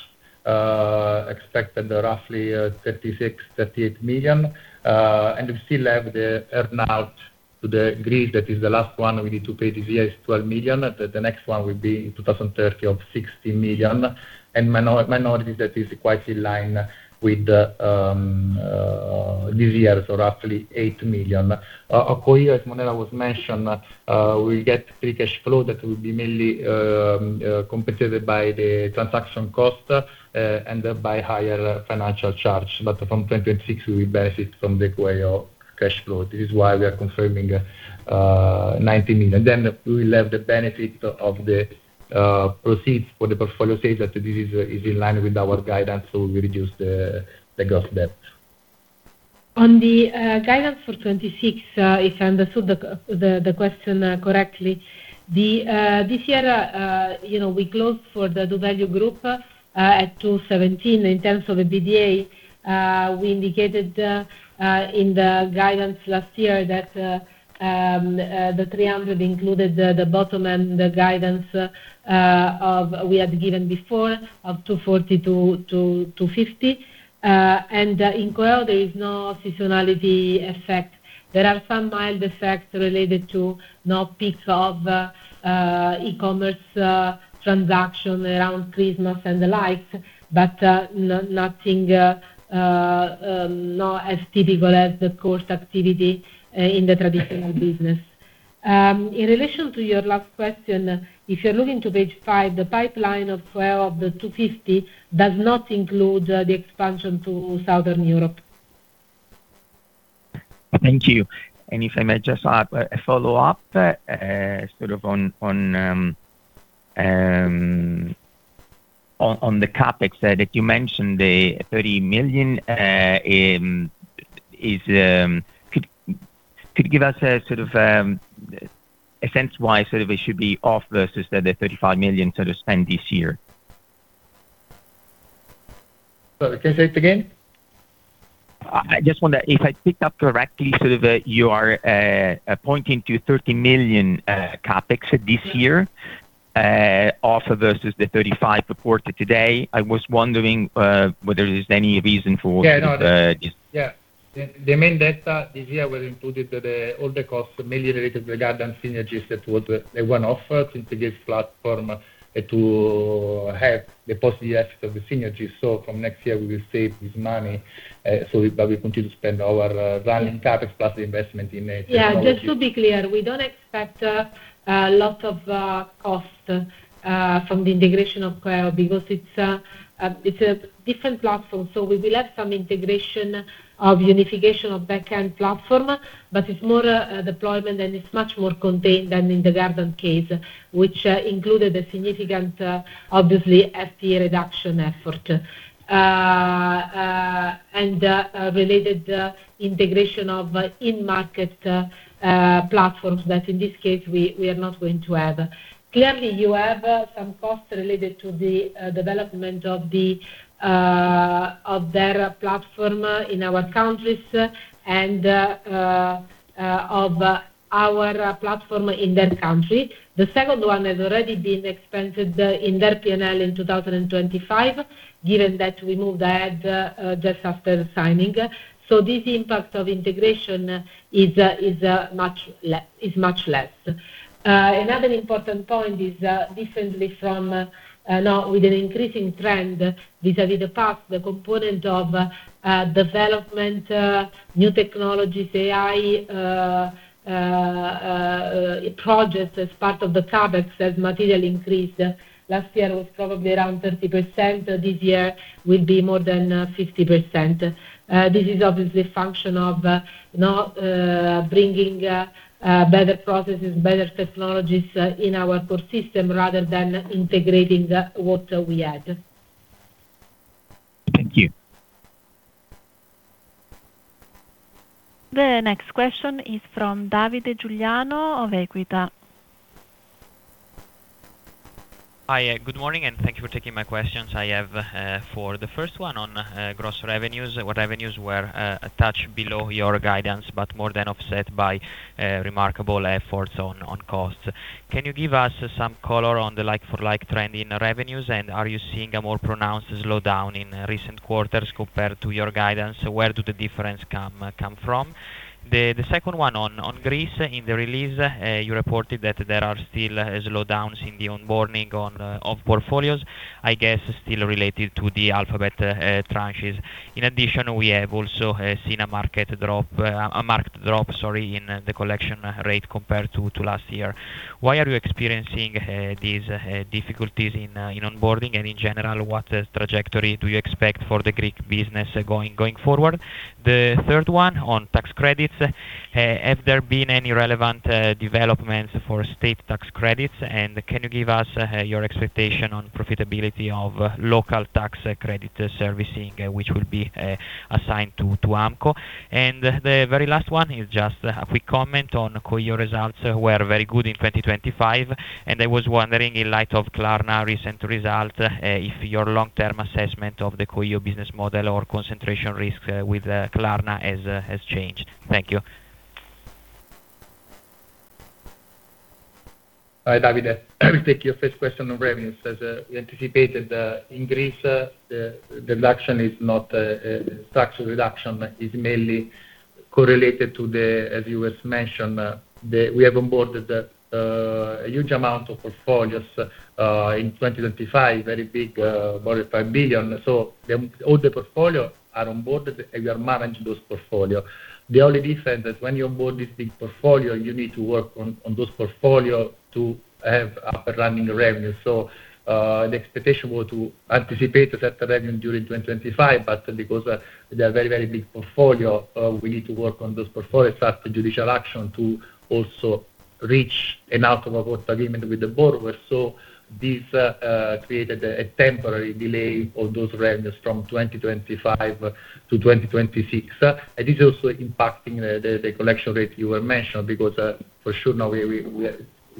Speaker 4: expected roughly 36 million-38 million. We still have the earn-out to doValue Greece. That is the last one we need to pay this year, is 12 million. The next one will be in 2030 of 60 million. Minorities, that is quite in line with this year, so roughly 8 million. coeo, as Manuela was mentioned, we get free cash flow that will be mainly compensated by the transaction cost and by higher financial charge. From 2026, we benefit from the coeo cash flow. This is why we are confirming 90 million. We will have the benefit of the proceeds for the portfolio stage, that this is in line with our guidance, so we reduce the gross debt.
Speaker 3: On the guidance for 2026, if I understood the question correctly, this year, you know, we closed for the doValue group at 217. In terms of the EBITDA, we indicated in the guidance last year that the 300 included the bottom and the guidance of we had given before of 240-250. In coeo, there is no seasonality effect. There are some mild effects related to no peaks of e-commerce transaction around Christmas and the like, but nothing not as typical as the course activity in the traditional business. In relation to your last question, if you're looking to Page 5, the pipeline of coeo, the 250, does not include the expansion to Southern Europe.
Speaker 7: Thank you. If I may just add a follow-up, sort of, on the CapEx that you mentioned, the EUR 30 million. Could you give us a sort of, a sense why sort of it should be off versus the 35 million sort of spend this year?
Speaker 4: Sorry, can you say it again?
Speaker 7: I just wonder if I picked up correctly, sort of, that you are pointing to 30 million CapEx this year, also versus the 35 million reported today. I was wondering whether there's any reason for.
Speaker 4: Yeah, no.
Speaker 7: The-
Speaker 4: Yeah. The main data this year were included all the costs mainly related to the Gardant synergies that were one offer to integrate platform to have the positive effect of the synergies. From next year, we will save this money, but we continue to spend our running CapEx plus the investment in the technology.
Speaker 3: Yeah, just to be clear, we don't expect a lot of cost from the integration of coeo, because it's a different platform. We will have some integration of unification of back-end platform, but it's more deployment, and it's much more contained than in the Gardant case, which included a significant, obviously, FTE reduction effort. And a related integration of in-market platforms, that in this case, we are not going to have. Clearly, you have some costs related to the development of their platform in our countries and of our platform in their country. The second one has already been expanded in their PNL in 2025, given that we moved ahead just after signing. This impact of integration is much less. Another important point is, differently from now with an increasing trend vis-a-vis the past, the component of development, new technologies, AI, projects as part of the CapEx has materially increased. Last year, it was probably around 30%. This year will be more than 50%. This is obviously a function of not bringing better processes, better technologies in our core system rather than integrating what we had.
Speaker 7: Thank you.
Speaker 1: The next question is from Davide Giuliano of Equita.
Speaker 8: Hi, good morning, and thank you for taking my questions. I have for the first one on gross revenues, where revenues were a touch below your guidance, but more than offset by remarkable efforts on costs. Can you give us some color on the like-for-like trend in revenues, and are you seeing a more pronounced slowdown in recent quarters compared to your guidance? Where do the difference come from? The second one on Greece. In the release, you reported that there are still slowdowns in the onboarding on of portfolios, I guess, still related to the Alpha tranches. In addition, we have also seen a market drop, sorry, in the collection rate compared to last year. Why are you experiencing these difficulties in onboarding? In general, what trajectory do you expect for the Greek business going forward? The third one on tax credits. Have there been any relevant developments for state tax credits? Can you give us your expectation on profitability of local tax credit servicing which will be assigned to AMCO? The very last one is just a quick comment on coeo results were very good in 2025, and I was wondering, in light of Klarna recent result if your long-term assessment of the coeo business model or concentration risks with Klarna has changed. Thank you.
Speaker 4: Hi, Davide. I will take your first question on revenues. As we anticipated, in Greece, the reduction is not tax reduction is mainly correlated to the, as you was mentioned, we have onboarded a huge amount of portfolios in 2025, very big, about 5 billion. all the portfolio are onboarded, and we are managing those portfolio. The only difference is when you onboard this big portfolio, you need to work on those portfolio to have upper running revenue. The expectation was to anticipate a certain revenue during 2025, because they are very, very big portfolio, we need to work on those portfolios, start the judicial action to also reach an out-of-court agreement with the borrowers. This created a temporary delay of those revenues from 2025 to 2026. This is also impacting the collection rate you mentioned, because for sure now we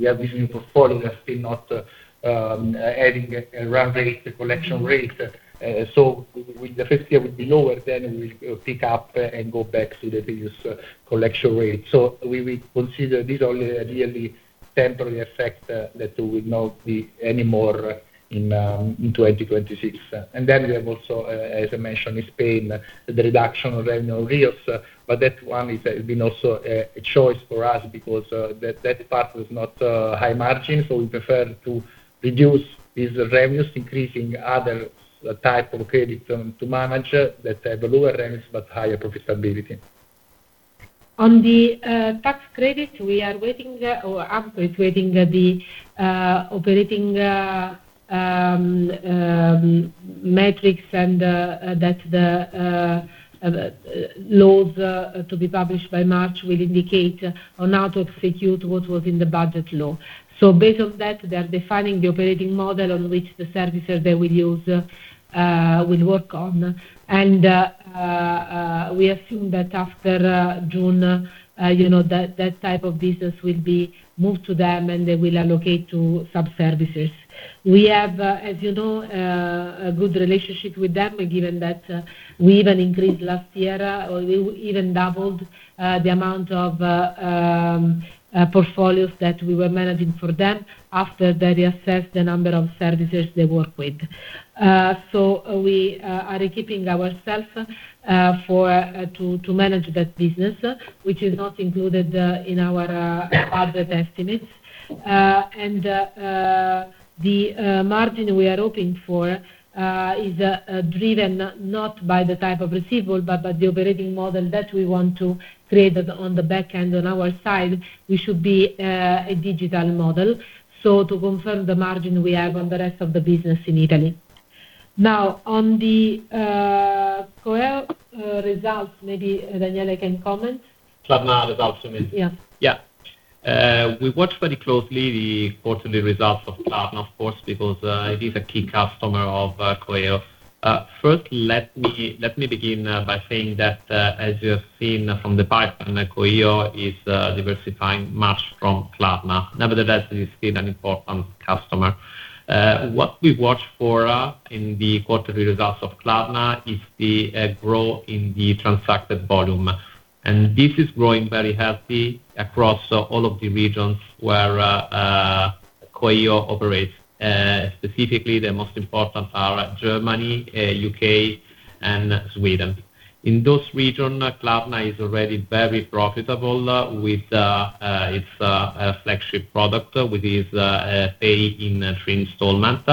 Speaker 4: have this new portfolio still not adding run rate, the collection rate. With the first year will be lower, then we will pick up and go back to the previous collection rate. We will consider this only a really temporary effect that will not be any more in 2026. We have also, as I mentioned, in Spain, the reduction of annual yields, but that one is been also a choice for us because that part was not high margin, so we prefer to reduce these revenues, increasing other type of credit to manage that have lower revenues but higher profitability.
Speaker 3: On the tax credit, we are waiting, or AMCO is waiting the operating metrics and that the laws to be published by March will indicate on how to execute what was in the Budget Law. Based on that, they are defining the operating model on which the services they will use will work on. We assume that after June, you know, that type of business will be moved to them, and they will allocate to sub-services. We have, as you know, a good relationship with them, given that we even increased last year, or we even doubled the amount of portfolios that we were managing for them after they assessed the number of services they work with. We are keeping ourselves for to manage that business, which is not included in our budget estimates. The margin we are hoping for is driven not by the type of receivable, but by the operating model that we want to create on the back end on our side, which should be a digital model, so to confirm the margin we have on the rest of the business in Italy. On the coeo results, maybe Daniele can comment.
Speaker 2: Klarna results you mean?
Speaker 3: Yes.
Speaker 2: Yeah. We watch very closely the quarterly results of Klarna, of course, because it is a key customer of coeo. First, let me begin by saying that as you have seen from the pipe, coeo is diversifying much from Klarna. Nevertheless, it is still an important customer. What we watch for in the quarterly results of Klarna is the growth in the transacted volume. This is growing very healthy across all of the regions where coeo operates. Specifically, the most important are Germany, U.K., and Sweden. In those region, Klarna is already very profitable with its flagship product, with its Pay in 3 installment.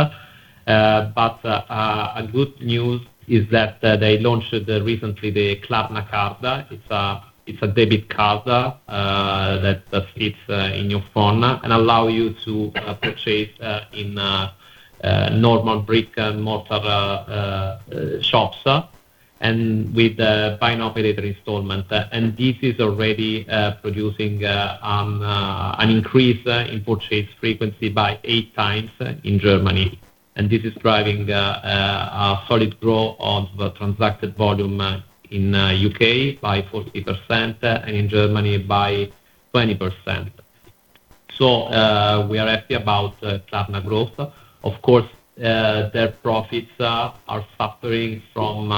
Speaker 2: A good news is that they launched recently the Klarna Card. It's a debit card that fits in your phone and allow you to purchase in normal brick-and-mortar shops, and with buy operator installment. This is already producing an increase in purchase frequency by 8x in Germany. This is driving a solid growth of the transacted volume in U.K. by 40%, and in Germany by 20%. We are happy about Klarna growth. Of course, their profits are suffering from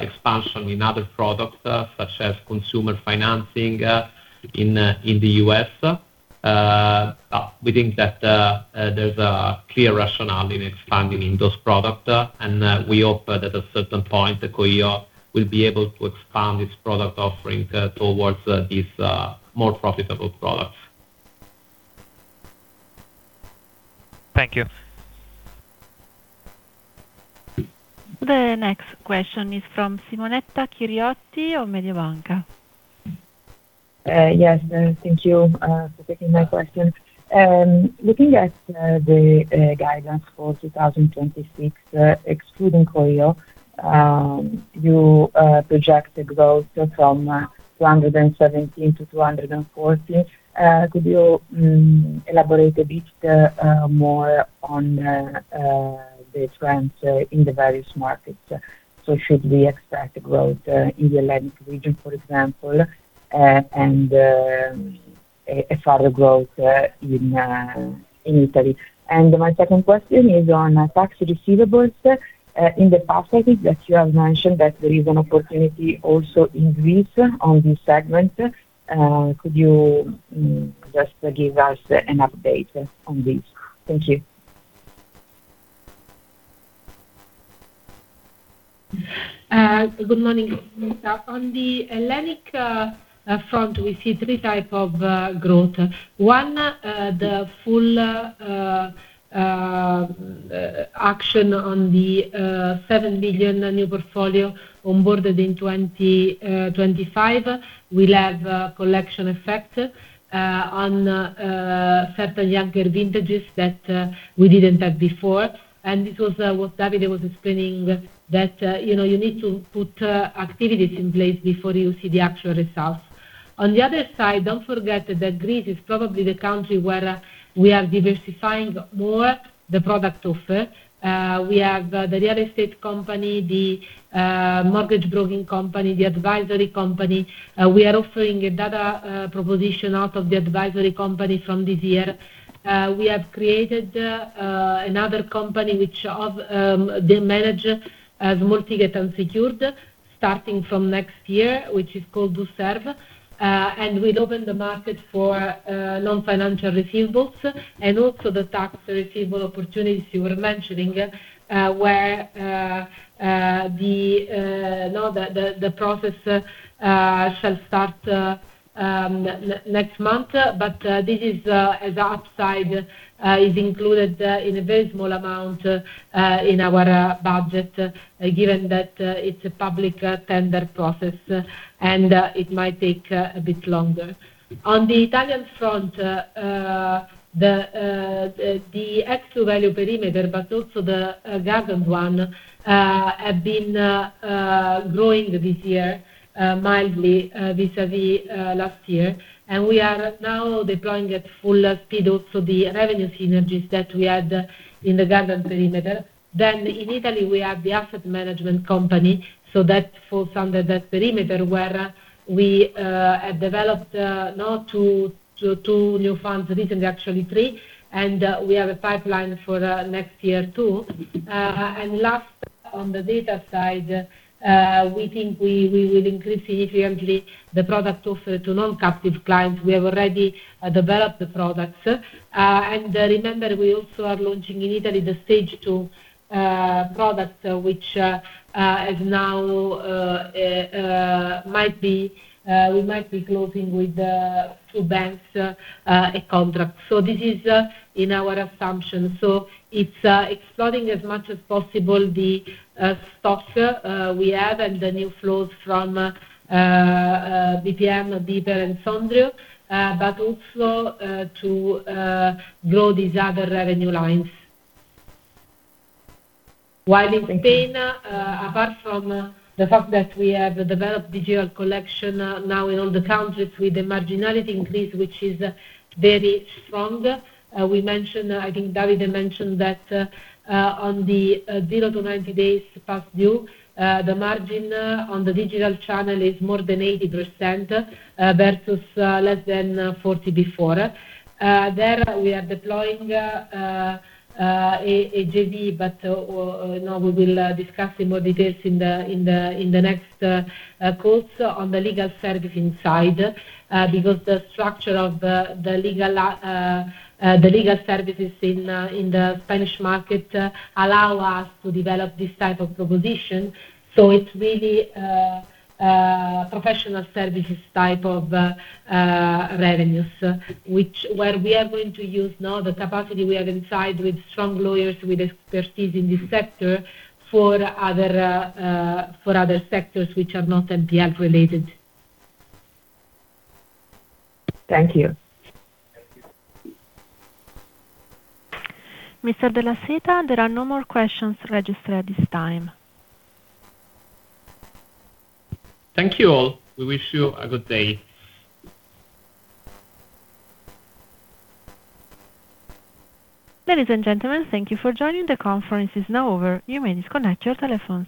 Speaker 2: expansion in other products, such as consumer financing, in the U.S. We think that there's a clear rationale in expanding in those products, and we hope that at a certain point, coeo will be able to expand its product offering towards these more profitable products.
Speaker 8: Thank you.
Speaker 1: The next question is from Simonetta Chiriotti of Mediobanca.
Speaker 9: Yes, thank you for taking my question. Looking at the guidance for 2026, excluding coeo, you projected growth from 217 million to 240 million. Could you elaborate a bit more on the trends in the various markets? Should we expect growth in the Atlantic region, for example, and a further growth in Italy? My second question is on tax receivables. In the past, I think that you have mentioned that there is an opportunity also in Greece on this segment. Could you just give us an update on this? Thank you.
Speaker 3: Good morning. On the Hellenic front, we see three type of growth. One, the full action on the 7 billion new portfolio onboarded in 2025. We'll have collection effect on certain younger vintages that we didn't have before. This was what Davide was explaining, that, you know, you need to put activities in place before you see the actual results. On the other side, don't forget that Greece is probably the country where we are diversifying more the product offer. We have the real estate company, the mortgage broking company, the advisory company. We are offering another proposition out of the advisory company from this year. We have created another company which manages multi-origin unsecured, starting from next year, which is called DuServe. We open the market for non-financial receivables, and also the tax receivable opportunities you were mentioning, where the now the process shall start next month. This is as upside, is included in a very small amount in our budget, given that it's a public tender process, and it might take a bit longer. On the Italian front, the ex-value perimeter, but also the Gardant one, have been growing this year mildly vis-à-vis last year. We are now deploying at full speed also the revenue synergies that we had in the Gardant perimeter. In Italy, we have the asset management company, so that falls under that perimeter, where we have developed not 2 new funds, recently actually 3, and we have a pipeline for the next year, too. Last, on the data side, we think we will increase significantly the product offer to non-captive clients. We have already developed the products. Remember, we also are launching in Italy the Stage 2 product, which is now might be we might be closing with 2 banks a contract. This is in our assumption. It's exploring as much as possible the stock we have and the new flows from BPM, BPER, and Sondrio, but also to grow these other revenue lines. While in Spain, apart from the fact that we have developed digital collection now in all the countries with the marginality increase, which is very strong. We mentioned, I think Davide mentioned that, on the 0 to 90 days past due, the margin on the digital channel is more than 80%, versus less than 40 before. There, we are deploying a JV, we will discuss in more details in the next calls on the legal servicing side, because the structure of the legal services in the Spanish market allow us to develop this type of proposition. It's really professional services type of revenues, which where we are going to use now the capacity we have inside with strong lawyers with expertise in this sector for other for other sectors which are not NPL-related.
Speaker 9: Thank you.
Speaker 1: Mr. Della Seta, there are no more questions registered at this time.
Speaker 2: Thank you, all. We wish you a good day.
Speaker 1: Ladies and gentlemen, thank you for joining. The conference is now over. You may disconnect your telephones.